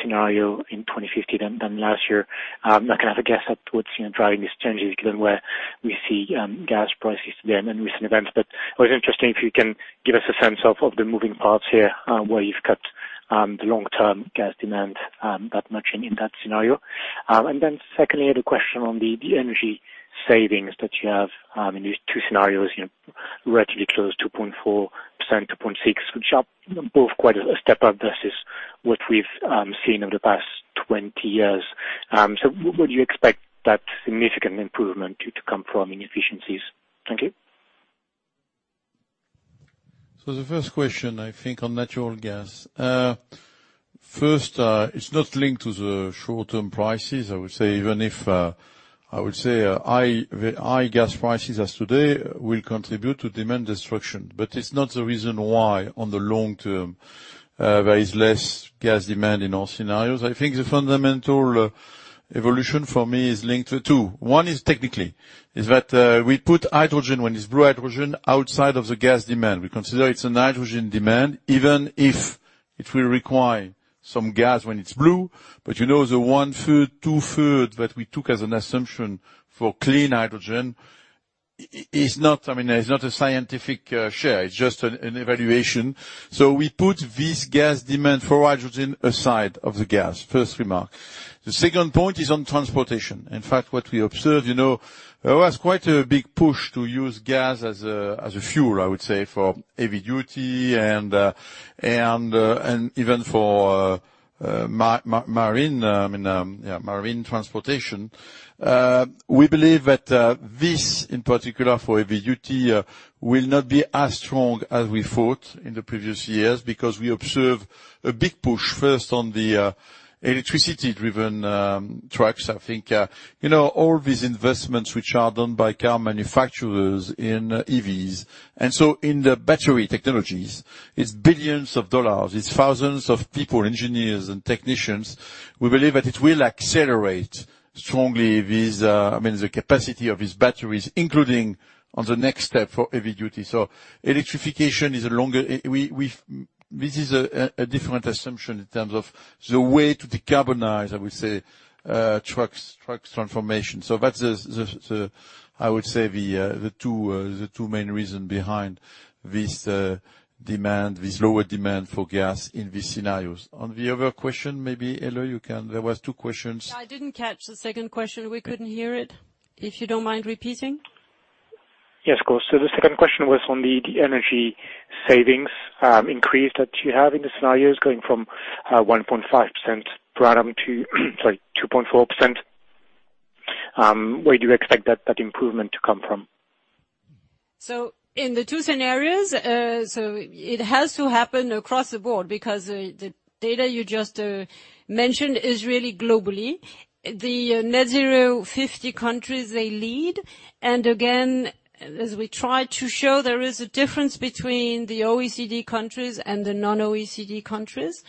scenario in 2050 than last year. Not gonna have a guess at what's, you know, driving these changes given where we see gas prices then in recent events. It was interesting if you can give us a sense of the moving parts here, where you've cut the long-term gas demand that much in that scenario. Secondly, I had a question on the energy savings that you have in these two scenarios, you know, relatively close to 0.4%-0.6%, which are both quite a step up versus what we've seen over the past 20 years. Would you expect that significant improvement to come from inefficiencies? Thank you. The first question, I think, on natural gas. First, it's not linked to the short-term prices. I would say even if I would say high gas prices as today will contribute to demand destruction, but it's not the reason why on the long term there is less gas demand in our scenarios. I think the fundamental evolution for me is linked to two. One is technically, is that we put hydrogen when it's blue hydrogen outside of the gas demand. We consider it's a hydrogen demand even if it will require some gas when it's blue. But you know the 1/3, 2/3 that we took as an assumption for clean hydrogen is not, I mean, is not a scientific share, it's just an evaluation. We put this gas demand for hydrogen aside of the gas. First remark. The second point is on transportation. In fact, what we observed, there was quite a big push to use gas as a fuel, I would say, for heavy duty and even for marine transportation. We believe that this in particular for heavy duty will not be as strong as we thought in the previous years because we observe a big push first on the electricity-driven trucks. I think all these investments which are done by car manufacturers in EVs. In the battery technologies, it's billions of dollars. It's thousands of people, engineers and technicians. We believe that it will accelerate strongly with the capacity of these batteries, including on the next step for heavy duty. Electrification is a longer. This is a different assumption in terms of the way to decarbonize, I would say, trucks transformation. That's the two main reason behind this demand, this lower demand for gas in these scenarios. On the other question, maybe, Helle, you can. There was two questions. I didn't catch the second question. We couldn't hear it. If you don't mind repeating. Yes, of course. The second question was on the energy savings increase that you have in the scenarios going from 1.5% per annum to, sorry, 2.4%. Where do you expect that improvement to come from? In the two scenarios, it has to happen across the board because the data you just mentioned is really globally. The Net Zero 2050 countries, they lead. Again, as we try to show there is a difference between the OECD countries and the non-OECD countries.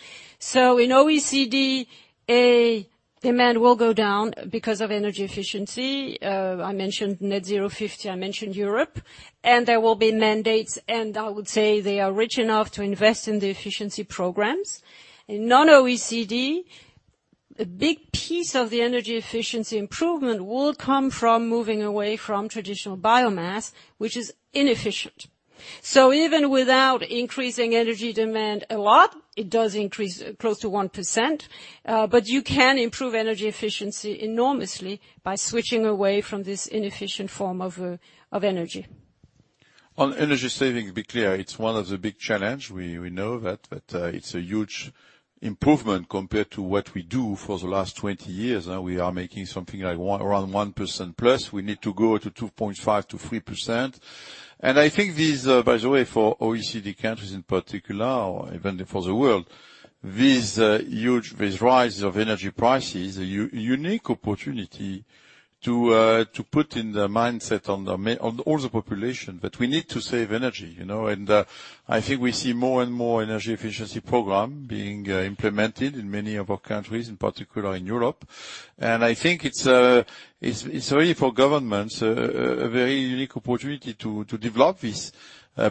In OECD, a demand will go down because of energy efficiency. I mentioned Net Zero 2050, I mentioned Europe, and there will be mandates, and I would say they are rich enough to invest in the efficiency programs. In non-OECD, a big piece of the energy efficiency improvement will come from moving away from traditional biomass, which is inefficient. Even without increasing energy demand a lot, it does increase close to 1%, but you can improve energy efficiency enormously by switching away from this inefficient form of energy. On energy saving, to be clear, it's one of the big challenge. We know that it's a huge improvement compared to what we do for the last 20 years. Now we are making something like around +1%. We need to go to 2.5%-3%. I think this, by the way, for OECD countries in particular, or even for the world, this huge rise of energy prices, unique opportunity to put in the mindset on all the population that we need to save energy, you know? I think we see more and more energy efficiency program being implemented in many of our countries, in particular in Europe. I think it's really for governments, a very unique opportunity to develop these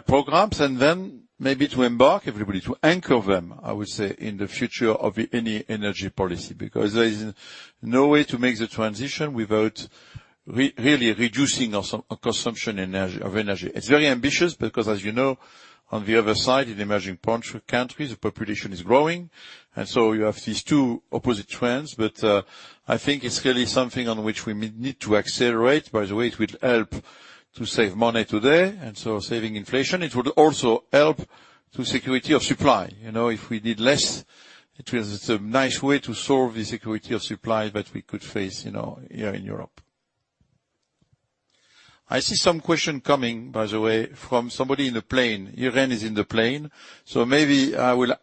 programs and then maybe to embark everybody, to anchor them, I would say, in the future of any energy policy, because there is no way to make the transition without really reducing our consumption of energy. It's very ambitious because, as you know, on the other side, in emerging countries, the population is growing. You have these two opposite trends, but I think it's really something on which we need to accelerate. By the way, it will help to save money today, and so saving inflation. It would also help the security of supply. You know, if we need less, it is a nice way to solve the security of supply that we could face, you know, here in Europe. I see some questions coming, by the way, from somebody in the plane. Irene is in the plane, so maybe I will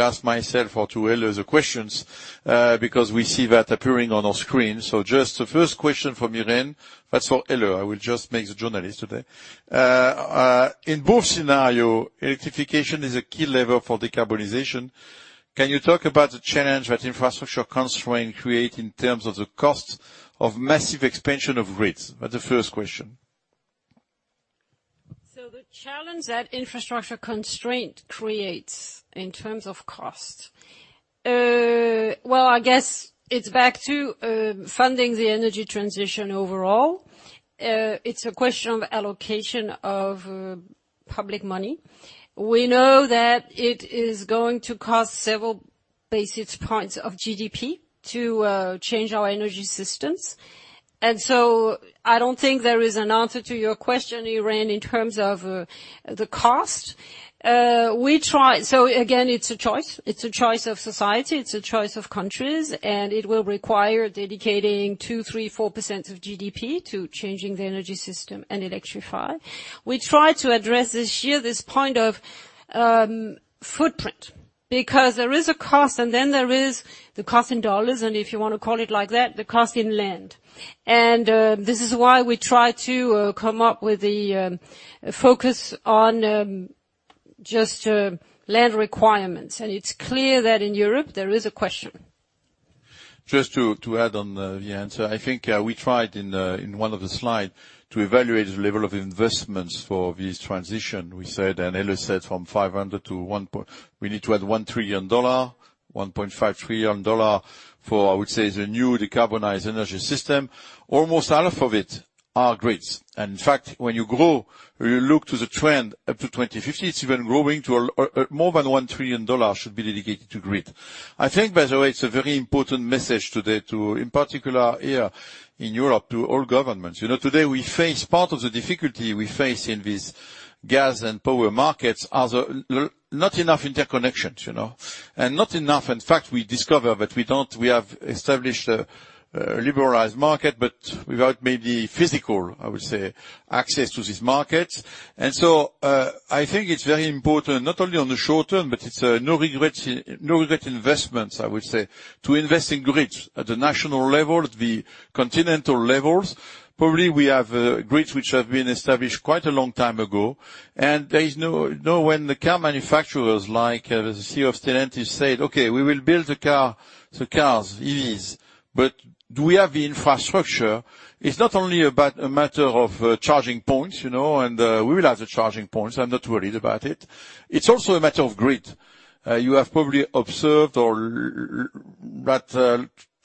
ask myself or to Helle the questions, because we see that appearing on our screen. Just the first question from Irene. That's for Helle. I will just play the journalist today. In both scenarios, electrification is a key lever for decarbonization. Can you talk about the challenge that infrastructure constraints create in terms of the cost of massive expansion of grids? That's the first question. The challenge that infrastructure constraint creates in terms of cost. Well, I guess it's back to funding the energy transition overall. It's a question of allocation of public money. We know that it is going to cost several basis points of GDP to change our energy systems. I don't think there is an answer to your question, Irene, in terms of the cost. Again, it's a choice. It's a choice of society, it's a choice of countries, and it will require dedicating 2%, 3%, 4% of GDP to changing the energy system and electrify. We try to address this here, this point of footprint, because there is a cost, and then there is the cost in dollars, and if you wanna call it like that, the cost in land. This is why we try to come up with the focus on just land requirements. It's clear that in Europe there is a question. Just to add on the answer. I think we tried in one of the slides to evaluate the level of investments for this transition. We said, and Helle said from 500 to 1 point. We need to add $1 trillion, $1.5 trillion for, I would say, the new decarbonized energy system. Almost half of it are grids. In fact, when you grow, you look to the trend up to 2050, it's even growing to more than $1 trillion should be dedicated to grids. I think, by the way, it's a very important message today to, in particular here in Europe, to all governments. You know, today we face, part of the difficulty we face in this gas and power markets are not enough interconnections, you know. Not enough, in fact, we discover that we don't. We have established a liberalized market, but without maybe physical, I would say, access to this market. I think it's very important, not only on the short term, but it's no regrets, no-regret investments, I would say, to invest in grids at the national level, at the continental levels. Probably we have grids which have been established quite a long time ago, and there is no. When the car manufacturers, like the CEO of Stellantis said, "Okay, we will build the cars, EVs," but do we have the infrastructure? It's not only a matter of charging points, you know, and we will have the charging points. I'm not worried about it. It's also a matter of grid. You have probably observed.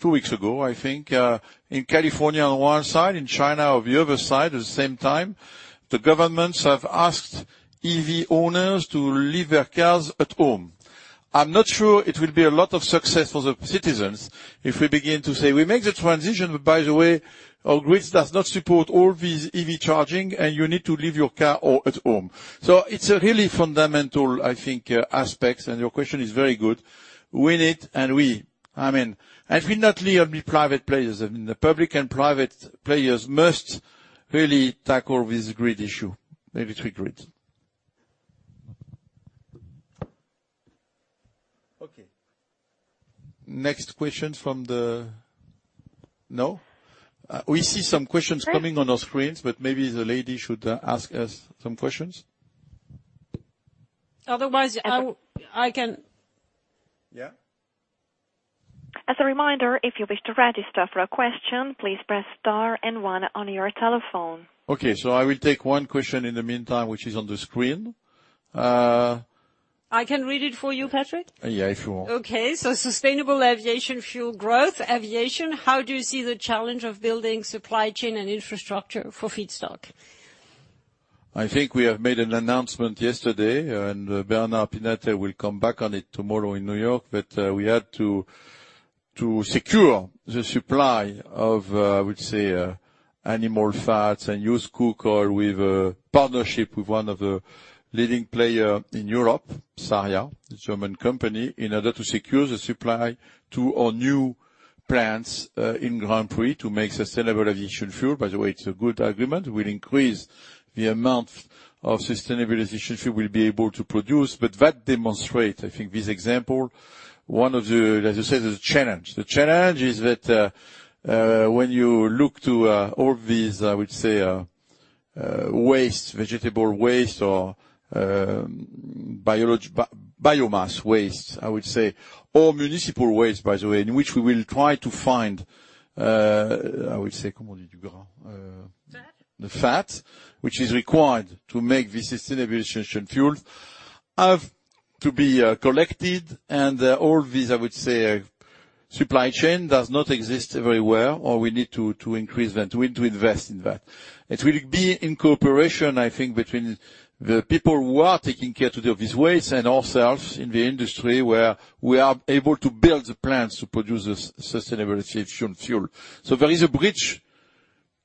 Two weeks ago, I think, in California on one side, in China on the other side, at the same time, the governments have asked EV owners to leave their cars at home. I'm not sure it will be a lot of success for the citizens if we begin to say, "We make the transition, but by the way, our grids does not support all these EV charging, and you need to leave your car at home." It's a really fundamental, I think, aspects, and your question is very good. We need, I mean, not only are the private players. I mean, the public and private players must really tackle this grid issue, maybe two grids. Okay. Next question from the. No? We see some questions coming on our screens, but maybe the lady should ask us some questions. Otherwise, I can. Yeah. As a reminder, if you wish to register for a question, please press star and one on your telephone. I will take one question in the meantime, which is on the screen. I can read it for you, Patrick. Yeah, if you want. Okay. Sustainable aviation fuel growth. Aviation, how do you see the challenge of building supply chain and infrastructure for feedstock? I think we have made an announcement yesterday, and Bernard Pinatel will come back on it tomorrow in New York, but we had to secure the supply of, I would say, animal fats and used cooking oil with a partnership with one of the leading player in Europe, SARIA, the German company, in order to secure the supply to our new plants in Grandpuits to make sustainable aviation fuel. By the way, it's a good agreement. We'll increase the amount of sustainable aviation fuel we'll be able to produce. But that demonstrate, I think this example, one of the, as you said, the challenge. The challenge is that, when you look to all these, I would say, waste, vegetable waste or biomass waste, I would say, or municipal waste, by the way, in which we will try to find, I would say the fat, which is required to make the sustainable aviation fuels, have to be collected and all these, I would say, supply chain does not exist very well or we need to increase that, we need to invest in that. It will be in cooperation, I think, between the people who are taking care to do this waste and ourselves in the industry where we are able to build the plants to produce the sustainable aviation fuel. There is a bridge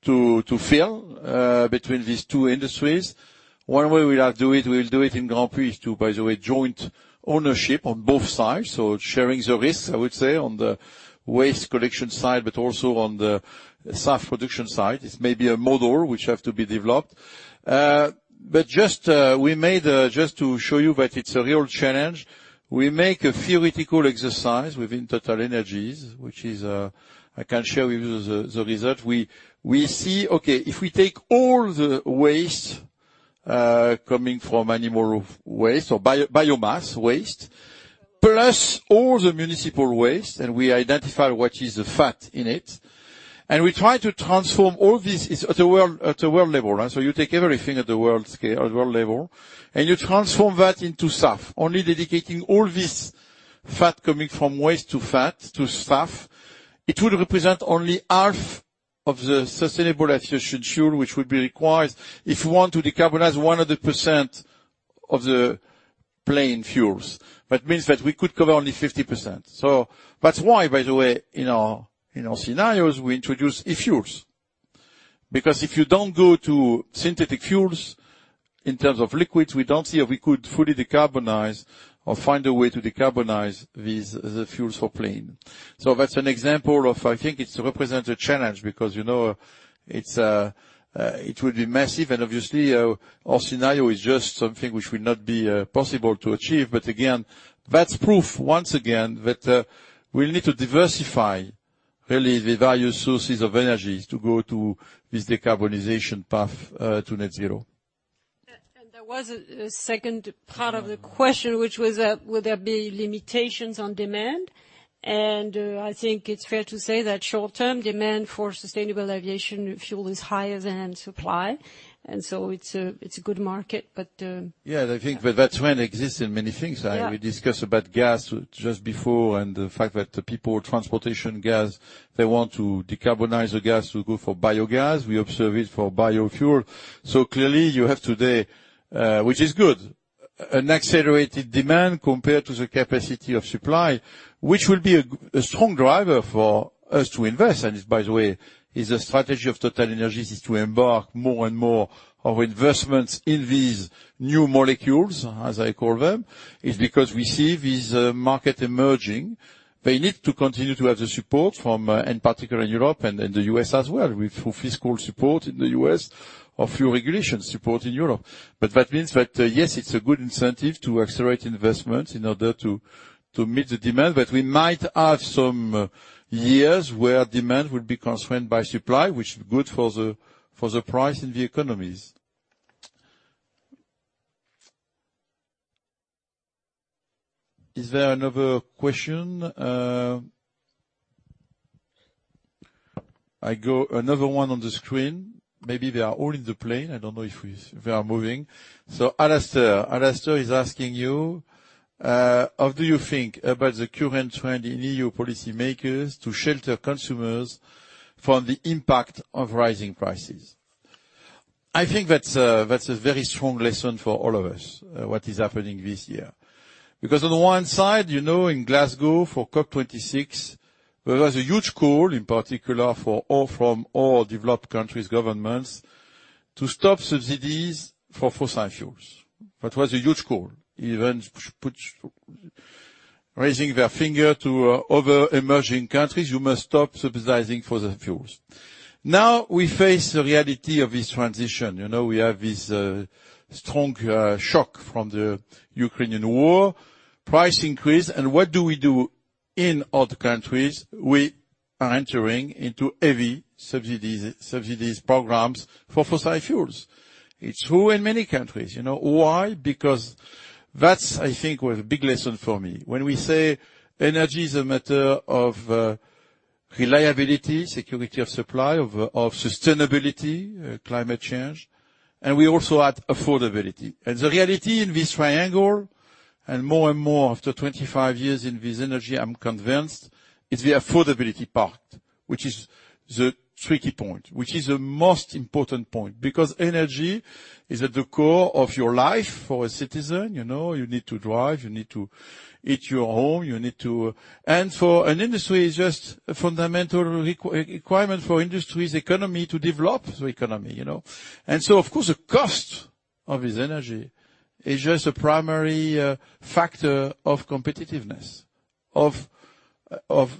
to fill between these two industries. One way we are do it, we'll do it in Grandpuits too, by the way, joint ownership on both sides. Sharing the risk, I would say, on the waste collection side, but also on the SAF production side. It's maybe a model which have to be developed. Just to show you that it's a real challenge, we make a theoretical exercise within TotalEnergies, which is, I can share with you the result. We see, okay, if we take all the waste coming from animal waste or biomass waste, plus all the municipal waste, and we identify what is the fat in it, and we try to transform all this at a world level, right? You take everything at the world scale, at world level, and you transform that into SAF, only dedicating all this fat coming from waste to SAF, it would represent only half of the sustainable aviation fuel which would be required if we want to decarbonize 100% of the plane fuels. That means that we could cover only 50%. That's why, by the way, in our scenarios, we introduce e-fuels. Because if you don't go to synthetic fuels in terms of liquids, we don't see how we could fully decarbonize or find a way to decarbonize the fuels for planes. That's an example. I think it represents a challenge because, you know, it will be massive. And obviously our scenario is just something which will not be possible to achieve. But again, that's proof, once again, that we need to diversify really the various sources of energies to go to this decarbonization path to net zero. There was a second part of the question, which was that will there be limitations on demand? I think it's fair to say that short-term demand for sustainable aviation fuel is higher than supply, and so it's a good market, but. Yeah, I think that trend exists in many things. Yeah. We discussed about gas just before, and the fact that people, transportation gas, they want to decarbonize the gas to go for biogas. We observe it for biofuel. Clearly, you have today, which is good, an accelerated demand compared to the capacity of supply, which will be a strong driver for us to invest. By the way, is a strategy of TotalEnergies is to embark more and more of investments in these new molecules, as I call them. It's because we see this market emerging. They need to continue to have the support from, in particular in Europe and the US as well, with fiscal support in the US or fuel regulation support in Europe. That means that, yes, it's a good incentive to accelerate investments in order to meet the demand. We might have some years where demand will be constrained by supply, which is good for the price in the economies. Is there another question? I got another one on the screen. Maybe they are all in the plane. They are moving. Alastair is asking you how do you think about the current trend in EU policymakers to shelter consumers from the impact of rising prices? I think that's a very strong lesson for all of us, what is happening this year. Because on the one side, you know, in Glasgow for COP26, there was a huge call in particular for all, from all developed countries' governments to stop subsidies for fossil fuels. That was a huge call. Even put, raising their finger to other emerging countries, "You must stop subsidizing fossil fuels." Now we face the reality of this transition. You know, we have this strong shock from the Ukrainian war, price increase, and what do we do in other countries? We are entering into heavy subsidies programs for fossil fuels. It's true in many countries. You know why? Because that's, I think, was a big lesson for me. When we say energy is a matter of reliability, security of supply, of sustainability, climate change, and we also add affordability. The reality in this triangle, and more and more after 25 years in this energy, I'm convinced, is the affordability part, which is the tricky point. Which is the most important point. Because energy is at the core of your life. For a citizen, you know, you need to drive, you need to heat your home. For an industry, it's just a fundamental requirement for industry's economy to develop the economy, you know. Of course, the cost of this energy is just a primary factor of competitiveness, of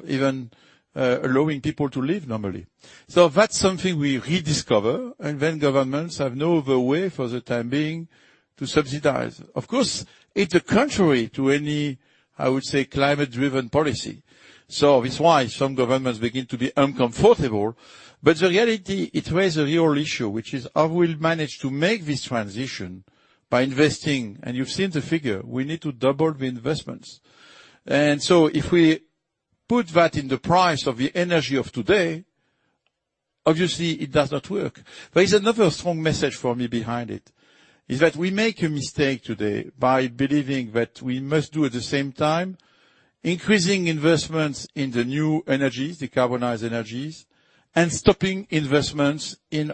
even allowing people to live normally. That's something we rediscover, and then governments have no other way for the time being to subsidize. Of course, it's contrary to any, I would say, climate-driven policy. It's why some governments begin to be uncomfortable. The reality, it raises a real issue, which is how we'll manage to make this transition by investing. You've seen the figure, we need to double the investments. If we put that in the price of the energy of today, obviously it does not work. There is another strong message for me behind it, is that we make a mistake today by believing that we must do at the same time increasing investments in the new energies, decarbonized energies, and stopping investments in,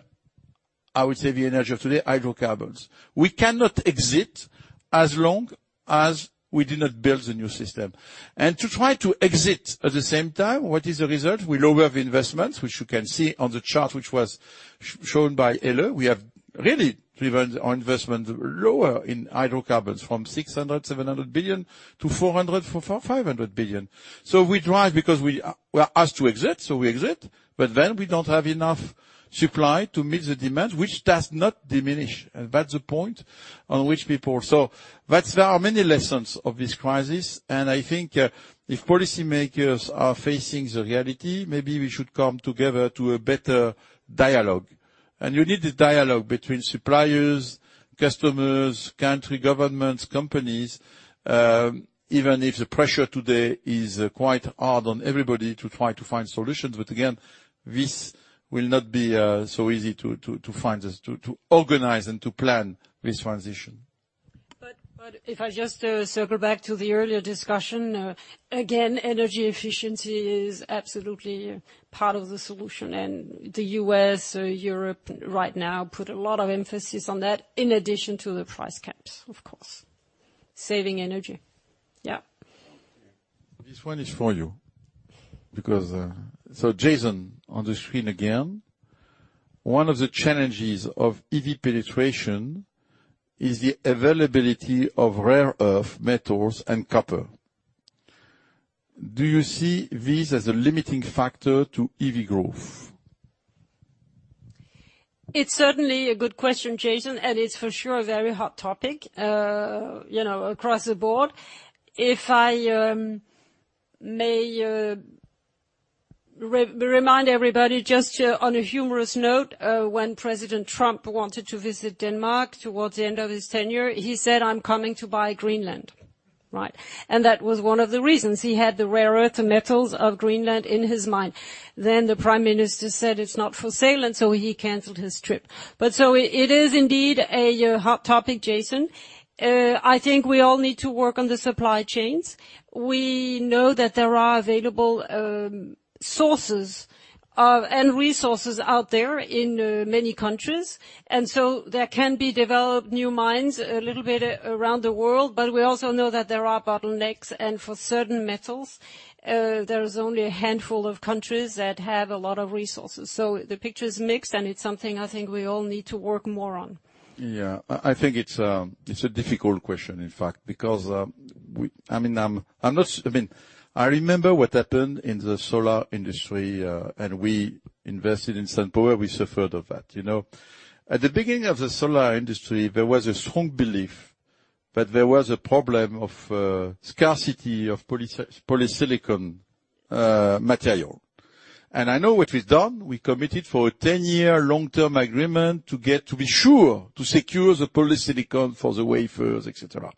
I would say, the energy of today, hydrocarbons. We cannot exit as long as we do not build the new system. To try to exit at the same time, what is the result? We lower the investments, which you can see on the chart, which was shown by Helle. We have really driven our investment lower in hydrocarbons from 600-700 billion to 400-EUR500 billion. We drive because we are asked to exit, so we exit, but then we don't have enough supply to meet the demand, which does not diminish. That's the point on which people. There are many lessons of this crisis, and I think if policymakers are facing the reality, maybe we should come together to a better dialogue. You need a dialogue between suppliers, customers, country governments, companies, even if the pressure today is quite hard on everybody to try to find solutions. Again, this will not be so easy to find this, to organize and to plan this transition. If I just circle back to the earlier discussion, again, energy efficiency is absolutely part of the solution. The US or Europe right now put a lot of emphasis on that in addition to the price caps, of course. Saving energy. Yeah. This one is for you because, Jason, on the screen again, one of the challenges of EV penetration is the availability of rare earth metals and copper. Do you see this as a limiting factor to EV growth? It's certainly a good question, Jason, and it's for sure a very hot topic, you know, across the board. If I may remind everybody just on a humorous note, when President Trump wanted to visit Denmark towards the end of his tenure, he said, "I'm coming to buy Greenland." Right? That was one of the reasons he had the rare earth metals of Greenland in his mind. The Prime Minister said, it's not for sale, and so he canceled his trip. It is indeed a hot topic, Jason. I think we all need to work on the supply chains. We know that there are available sources of, and resources out there in many countries, and so there can be developed new mines a little bit around the world. We also know that there are bottlenecks, and for certain metals, there is only a handful of countries that have a lot of resources. The picture is mixed, and it's something I think we all need to work more on. Yeah. I think it's a difficult question, in fact, because I mean, I remember what happened in the solar industry, and we invested in SunPower. We suffered of that, you know? At the beginning of the solar industry, there was a strong belief that there was a problem of scarcity of polysilicon material. I know what we've done. We committed for a 10-year long-term agreement to get to be sure to secure the polysilicon for the wafers, et cetera.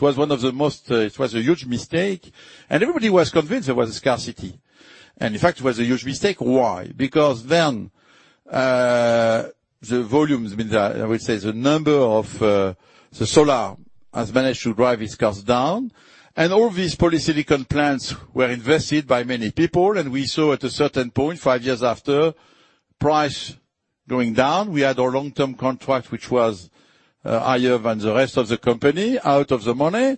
It was a huge mistake, and everybody was convinced there was a scarcity. In fact, it was a huge mistake. Why? Because then the volumes means I would say the number of the solar has managed to drive its costs down. All these polysilicon plants were invested by many people. We saw at a certain point, five years after, price going down. We had our long-term contract, which was higher than the rest of the company out of the money.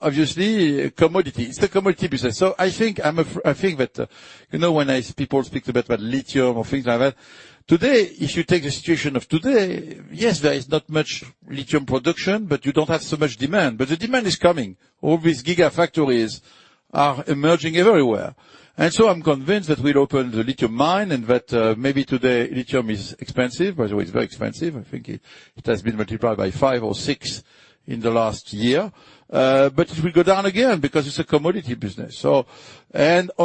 Obviously, commodity, it's the commodity business. I think that people speak about lithium or things like that. Today, if you take the situation of today, yes, there is not much lithium production, but you don't have so much demand. The demand is coming. All these gigafactories are emerging everywhere. I'm convinced that we'll open the lithium mine and that maybe today lithium is expensive. By the way, it's very expensive. I think it has been multiplied by five or six in the last year. It will go down again because it's a commodity business. On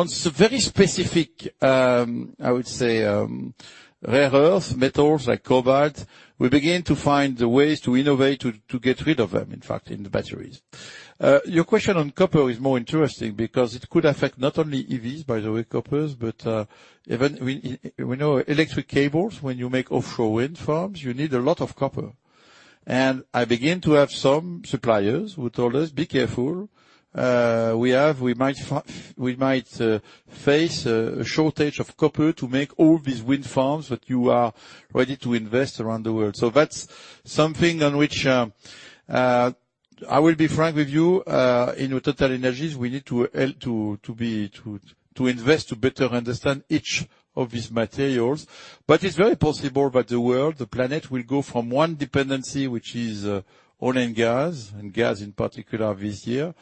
some very specific, I would say, rare earth metals like cobalt, we begin to find the ways to innovate, to get rid of them, in fact, in the batteries. Your question on copper is more interesting because it could affect not only EVs, by the way, coppers, but even we know electric cables, when you make offshore wind farms, you need a lot of copper. I begin to have some suppliers who told us, "Be careful, we might face a shortage of copper to make all these wind farms that you are ready to invest around the world." That's something on which I will be frank with you. In TotalEnergies, we need to help to invest to better understand each of these materials. It's very possible that the world, the planet, will go from one dependency, which is oil and gas, and gas in particular this year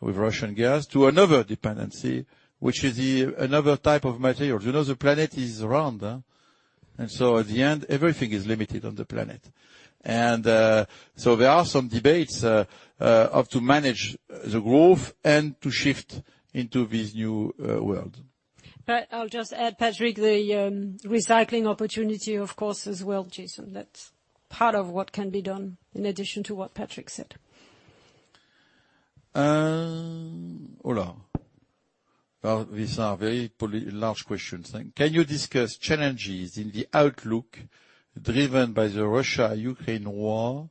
with Russian gas, to another dependency, which is the another type of material. You know, the planet is round, huh? At the end, everything is limited on the planet. There are some debates how to manage the growth and to shift into this new world. I'll just add, Patrick, the recycling opportunity, of course, as well, Jason. That's part of what can be done in addition to what Patrick said. Helle. Well, these are very large questions. Can you discuss challenges in the outlook driven by the Russia-Ukraine war,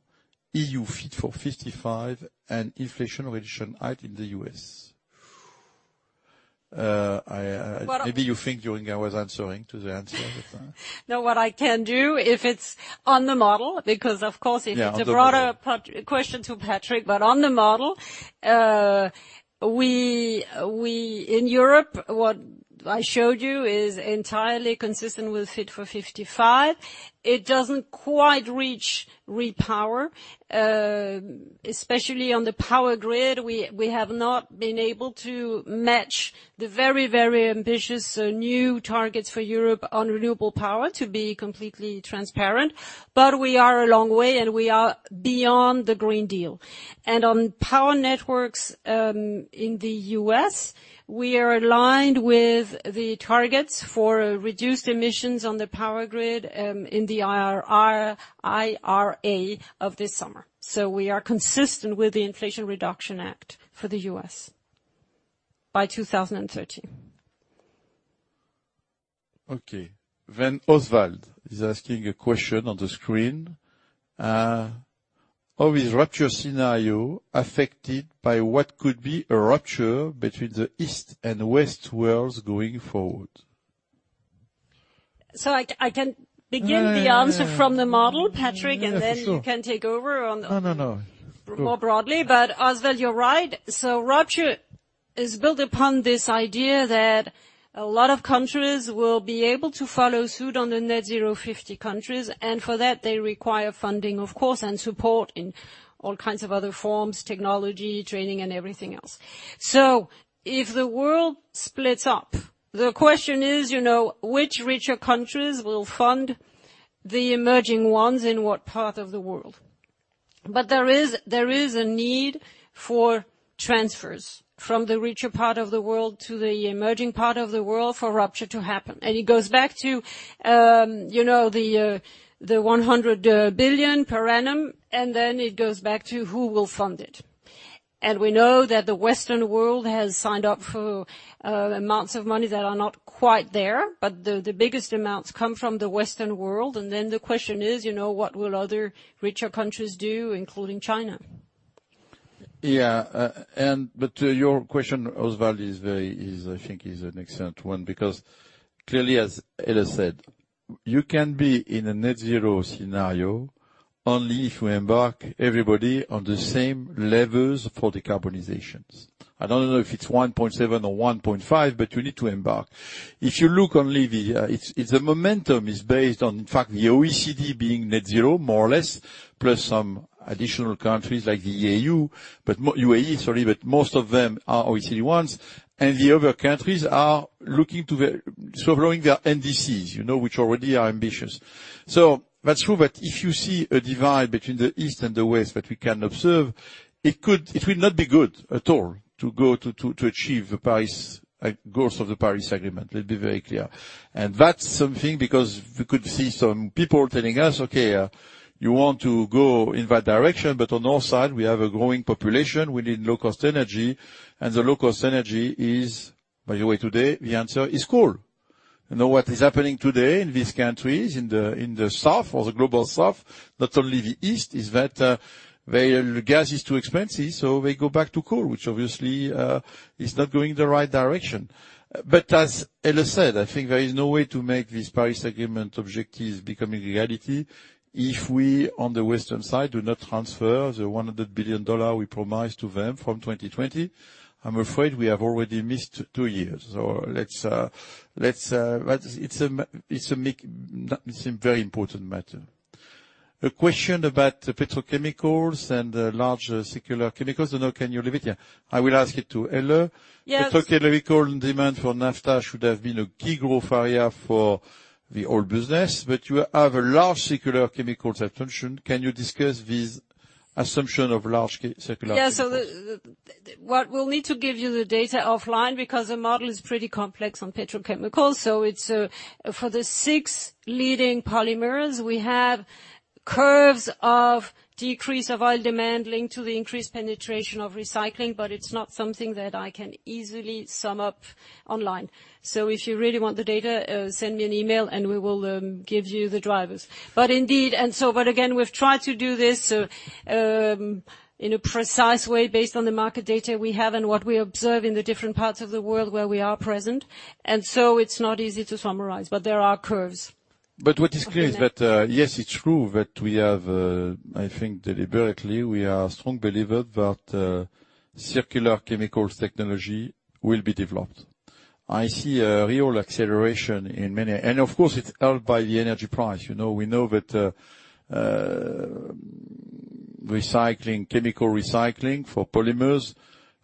EU Fit for 55, and Inflation Reduction Act in the US? But- Maybe you think during I was answering to the answer, but. No, what I can do, if it's on the model, because of course if it's. Yeah, on the model. A broader question to Patrick, but on the model. In Europe, what I showed you is entirely consistent with Fit for 55. It doesn't quite reach REPowerEU, especially on the power grid. We have not been able to match the very, very ambitious new targets for Europe on renewable power, to be completely transparent, but we are a long way, and we are beyond the Green Deal. On power networks, in the US, we are aligned with the targets for reduced emissions on the power grid, in the IRA of this summer. We are consistent with the Inflation Reduction Act for the US by 2030. Okay. Oswald is asking a question on the screen. How is Rupture scenario affected by what could be a rupture between the East and West worlds going forward? I can begin. Yeah, yeah. The answer from the model, Patrick. Yeah, for sure. You can take over. No, no. Sure. More broadly. Oswald, you're right. Rupture is built upon this idea that a lot of countries will be able to follow suit on the Net Zero 2050 countries, and for that they require funding, of course, and support in all kinds of other forms, technology, training and everything else. If the world splits up, the question is, you know, which richer countries will fund the emerging ones in what part of the world? There is a need for transfers from the richer part of the world to the emerging part of the world for Rupture to happen. It goes back to, you know, the $100 billion per annum, and then it goes back to who will fund it. We know that the Western world has signed up for amounts of money that are not quite there, but the biggest amounts come from the Western world. Then the question is, you know, what will other richer countries do, including China? Your question, Oswald, is, I think, an excellent one because clearly, as Ella said, you can be in a net zero scenario only if we embark everybody on the same levels for decarbonizations. I don't know if it's 1.7 or 1.5, but you need to embark. If you look only the... The momentum is based on, in fact, the OECD being net zero more or less, plus some additional countries like the EU, but UAE, sorry, but most of them are OECD ones, and the other countries are looking to the, sort of lowering their NDCs, you know, which already are ambitious. That's true that if you see a divide between the East and the West that we can observe, it will not be good at all to achieve the Paris goals of the Paris Agreement. Let's be very clear. That's something because we could see some people telling us, "Okay, you want to go in that direction, but on our side, we have a growing population. We need low cost energy, and the low cost energy is, by the way, today the answer is coal." You know, what is happening today in these countries in the south or the Global South, not only the east, is that, gas is too expensive, so they go back to coal, which obviously, is not going the right direction. As Ella said, I think there is no way to make this Paris Agreement objectives becoming reality if we on the Western side do not transfer the $100 billion we promised to them from 2020. I'm afraid we have already missed two years. It's a very important matter. A question about petrochemicals and large circular chemicals. Don't know, can you leave it? Yeah. I will ask it to Helle. Yes. Petrochemical and demand for naphtha should have been a key growth area for the oil business, but you have a large circular chemicals assumption. Can you discuss this assumption of large circular chemicals? What we'll need to give you the data offline because the model is pretty complex on petrochemicals. It's for the six leading polymers, we have curves of decrease of oil demand linked to the increased penetration of recycling, but it's not something that I can easily sum up online. If you really want the data, send me an email, and we will give you the drivers. Indeed, but again, we've tried to do this in a precise way based on the market data we have and what we observe in the different parts of the world where we are present. It's not easy to summarize, but there are curves. What is clear is that, yes, it's true that we have, I think deliberately, we are a strong believer that, circular chemicals technology will be developed. I see a real acceleration in many. Of course, it's helped by the energy price. You know, we know that, recycling, chemical recycling for polymers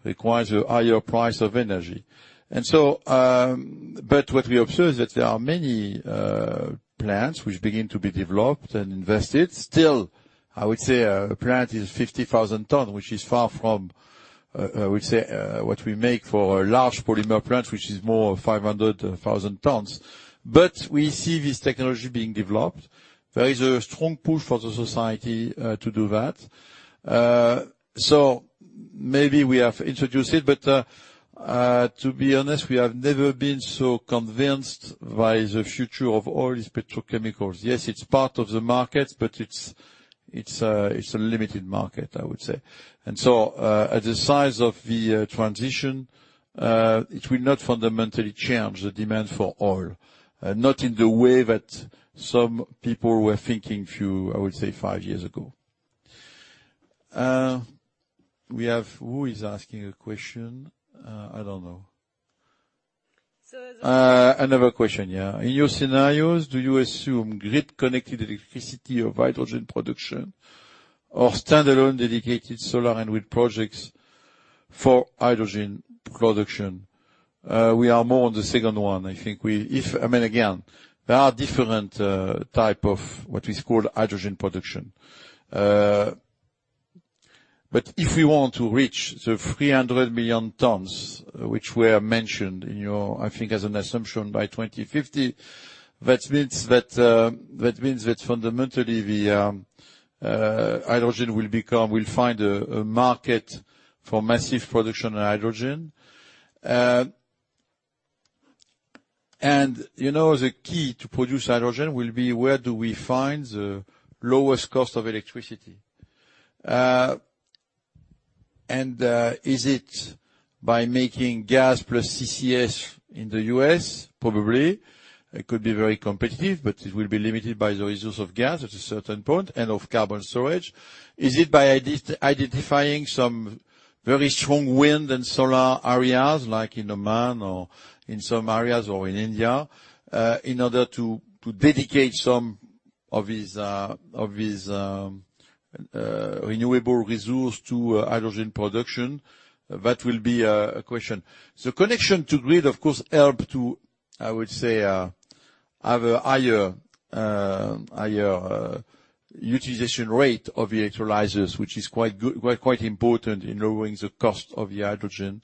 requires a higher price of energy. What we observe is that there are many, plants which begin to be developed and invested. Still, I would say a plant is 50,000 tons, which is far from, I would say, what we make for a large polymer plant, which is more 500,000 tons. We see this technology being developed. There is a strong push for the society, to do that. Maybe we have introduced it, but, to be honest, we have never been so convinced by the future of oil as petrochemicals. Yes, it's part of the market, but it's a limited market, I would say. At the size of the transition, it will not fundamentally change the demand for oil, not in the way that some people were thinking few, I would say five years ago. Who is asking a question? I don't know. Another question, yeah. In your scenarios, do you assume grid-connected electricity for hydrogen production or standalone dedicated solar and wind projects for hydrogen production? We are more on the second one. I think if, I mean, again, there are different type of what we call hydrogen production. If we want to reach the 300 billion tons which were mentioned in your, I think as an assumption by 2050, that means that fundamentally the hydrogen will find a market for massive production of hydrogen. You know, the key to produce hydrogen will be where do we find the lowest cost of electricity? Is it by making gas plus CCS in the U.S.? Probably. It could be very competitive, but it will be limited by the resource of gas at a certain point and of carbon storage. Is it by identifying some very strong wind and solar areas like in Oman or in some areas or in India, in order to dedicate some of these renewable resource to hydrogen production? That will be a question. The connection to grid, of course, help to, I would say, have a higher utilization rate of the electrolyzers, which is quite good, quite important in lowering the cost of the hydrogen.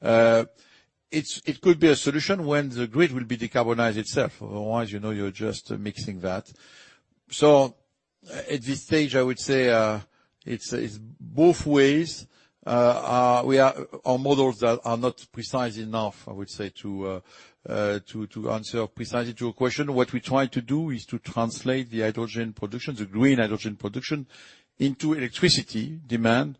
It could be a solution when the grid will be decarbonized itself. Otherwise, you know you're just mixing that. At this stage, I would say, it's both ways. Our models are not precise enough, I would say, to answer precisely to your question. What we try to do is to translate the hydrogen production, the green hydrogen production into electricity demand.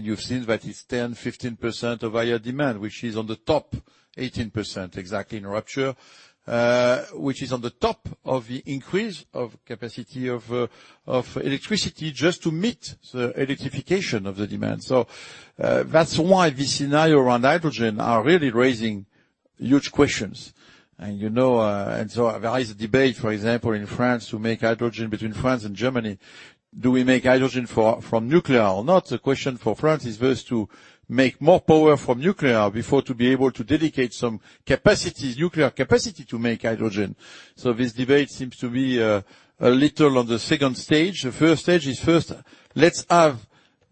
You've seen that it's 10%-15% higher demand, which is on top of 18% exactly in Rupture, which is on top of the increase of capacity of electricity just to meet the electrification of the demand. That's why this scenario around hydrogen are really raising huge questions. You know, there is a debate, for example, in France to make hydrogen between France and Germany. Do we make hydrogen from nuclear or not? The question for France is first to make more power from nuclear before to be able to dedicate some capacity, nuclear capacity, to make hydrogen. This debate seems to be a little on the second stage. The first stage is first, let's have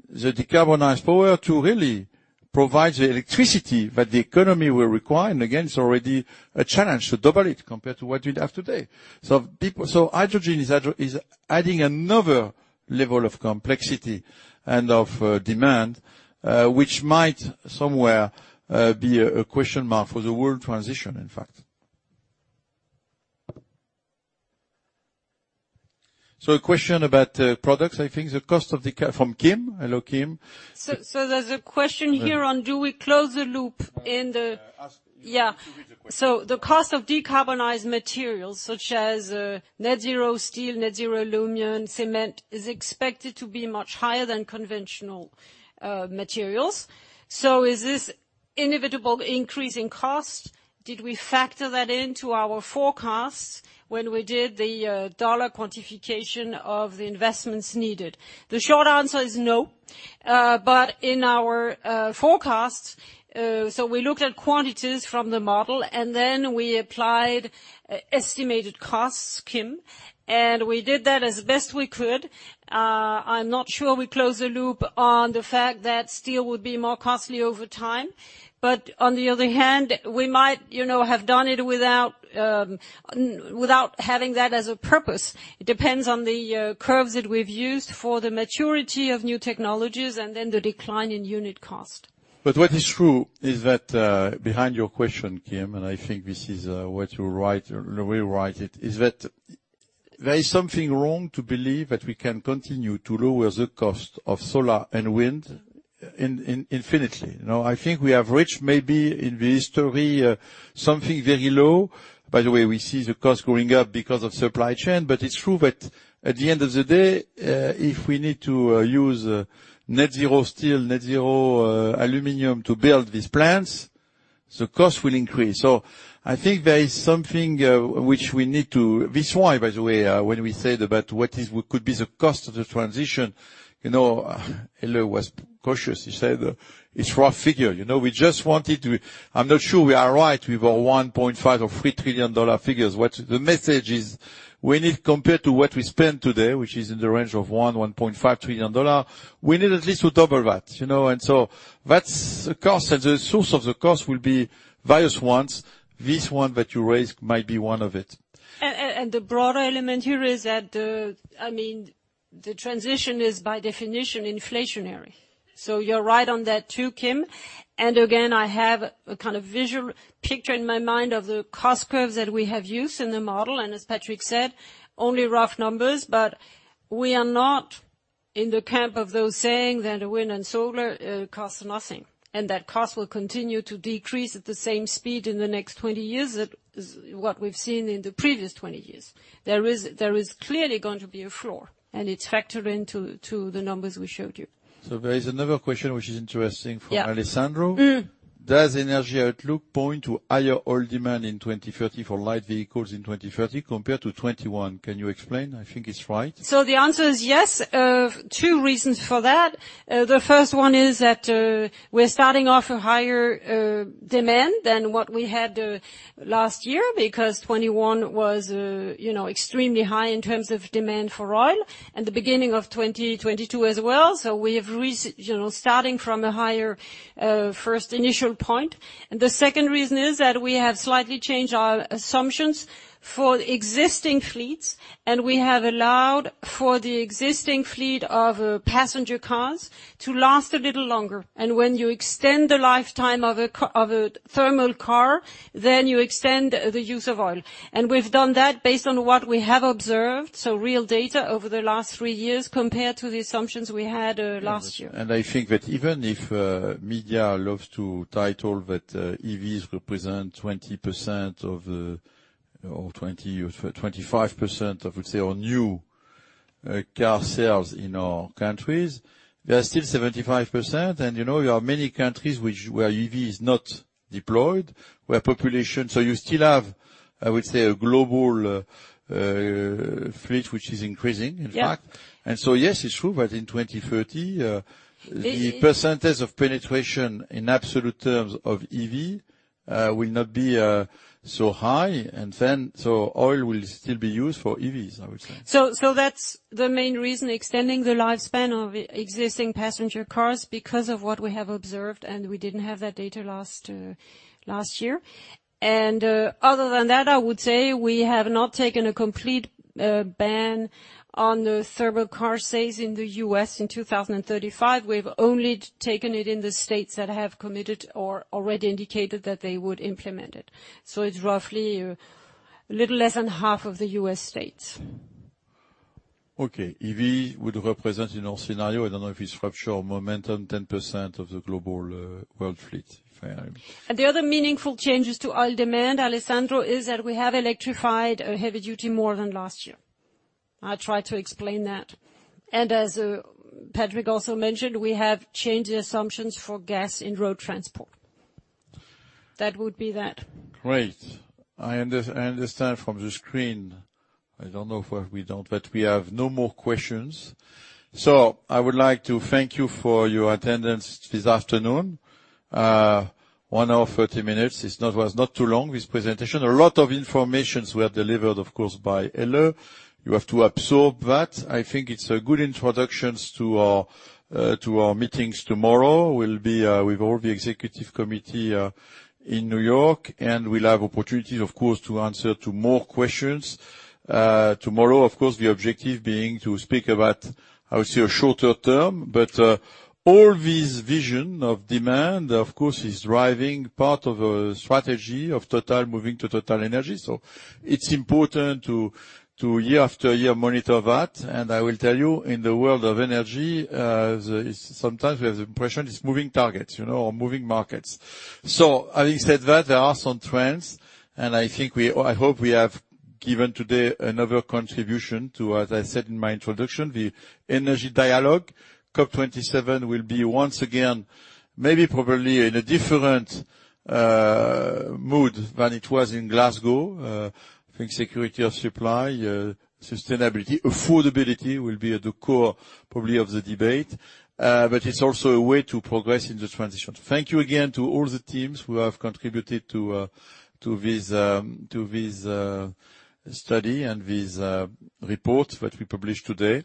the decarbonized power to really provide the electricity that the economy will require. Again, it's already a challenge to double it compared to what we have today. Hydrogen is adding another level of complexity and of demand, which might somewhere be a question mark for the world transition, in fact. A question about products from Kim. I think the cost of. Hello, Kim. There's a question here on, do we close the loop in the. Ask... Yeah. Repeat the question. The cost of decarbonized materials such as net zero steel, net zero aluminum, cement is expected to be much higher than conventional materials. Is this inevitable increase in cost, did we factor that into our forecasts when we did the dollar quantification of the investments needed? The short answer is no. But in our forecast, we looked at quantities from the model, and then we applied estimated costs, Kim, and we did that as best we could. I'm not sure we closed the loop on the fact that steel would be more costly over time. But on the other hand, we might, you know, have done it without having that as a purpose. It depends on the curves that we've used for the maturity of new technologies and then the decline in unit cost. What is true is that behind your question, Kim, and I think this is what you write about, right, is that there is something wrong to believe that we can continue to lower the cost of solar and wind indefinitely. You know, I think we have reached maybe a historic low. By the way, we see the cost going up because of supply chain. It's true that at the end of the day, if we need to use net zero steel, net zero aluminum to build these plants, the cost will increase. I think there is something which we need to. This is why, by the way, when we said about what could be the cost of the transition, you know, Helle was cautious. He said it's rough figure. You know, I'm not sure we are right with our $1.5 or $3 trillion dollar figures. The message is we need compared to what we spend today, which is in the range of $1-$1.5 trillion, we need at least to double that, you know. That's the cost, and the source of the cost will be various ones. This one that you raised might be one of it. The broader element here is that the transition is by definition inflationary. You're right on that too, Kim. Again, I have a kind of visual picture in my mind of the cost curves that we have used in the model, and as Patrick said, only rough numbers, but we are not in the camp of those saying that the wind and solar costs nothing, and that cost will continue to decrease at the same speed in the next 20 years as what we've seen in the previous 20 years. There is clearly going to be a floor, and it's factored into the numbers we showed you. There is another question which is interesting. Yeah. From Alessandro. Mm. Does Energy Outlook point to higher oil demand in 2030 for light vehicles in 2030 compared to 2021? Can you explain? I think it's right. The answer is yes. Two reasons for that. The first one is that we're starting off with a higher demand than what we had last year because 2021 was, you know, extremely high in terms of demand for oil and the beginning of 2022 as well. We have starting from a higher first initial point. The second reason is that we have slightly changed our assumptions for existing fleets, and we have allowed for the existing fleet of passenger cars to last a little longer. When you extend the lifetime of a thermal car, then you extend the use of oil. We've done that based on what we have observed, so real data over the last three years compared to the assumptions we had last year. I think that even if media loves to title that EVs represent 20% or 20 or 25% of, say, new car sales in our countries, there are still 75%. You know, there are many countries where EV is not deployed. So you still have, I would say, a global fleet which is increasing, in fact. Yeah. Yes, it's true that in 2030. The percentage of penetration in absolute terms of EV will not be so high. Oil will still be used for EVs, I would say. That's the main reason extending the lifespan of existing passenger cars because of what we have observed, and we didn't have that data last year. Other than that, I would say we have not taken a complete ban on the thermal car sales in the U.S. in 2035. We've only taken it in the states that have committed or already indicated that they would implement it. It's roughly a little less than half of the U.S. states. Okay. EV would represent in our scenario, I don't know if it's Rupture or Momentum, 10% of the global world fleet if I hear. The other meaningful changes to oil demand, Alessandro, is that we have electrified heavy duty more than last year. I'll try to explain that. As Patrick also mentioned, we have changed the assumptions for gas in road transport. That would be that. Great. I understand from the screen, I don't know if we don't, but we have no more questions. I would like to thank you for your attendance this afternoon. 1 hour 30 minutes was not too long, this presentation. A lot of information was delivered, of course, by Helle. You have to absorb that. I think it's a good introduction to our meetings tomorrow. We'll be with all the executive committee in New York, and we'll have opportunities, of course, to answer to more questions tomorrow. Of course, the objective being to speak about, I would say, a shorter term, but all this vision of demand, of course, is driving part of a strategy of Total moving to TotalEnergies. It's important to year after year monitor that. I will tell you, in the world of energy, sometimes we have the impression it's moving targets, you know, or moving markets. Having said that, there are some trends, and I think I hope we have given today another contribution to, as I said in my introduction, the energy dialogue. COP27 will be once again, maybe probably in a different mood than it was in Glasgow. I think security of supply, sustainability, affordability will be at the core probably of the debate, but it's also a way to progress in the transition. Thank you again to all the teams who have contributed to this study and this report that we published today.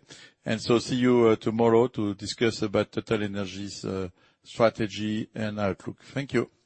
See you tomorrow to discuss about TotalEnergies' strategy and outlook. Thank you. Thank you. Bye.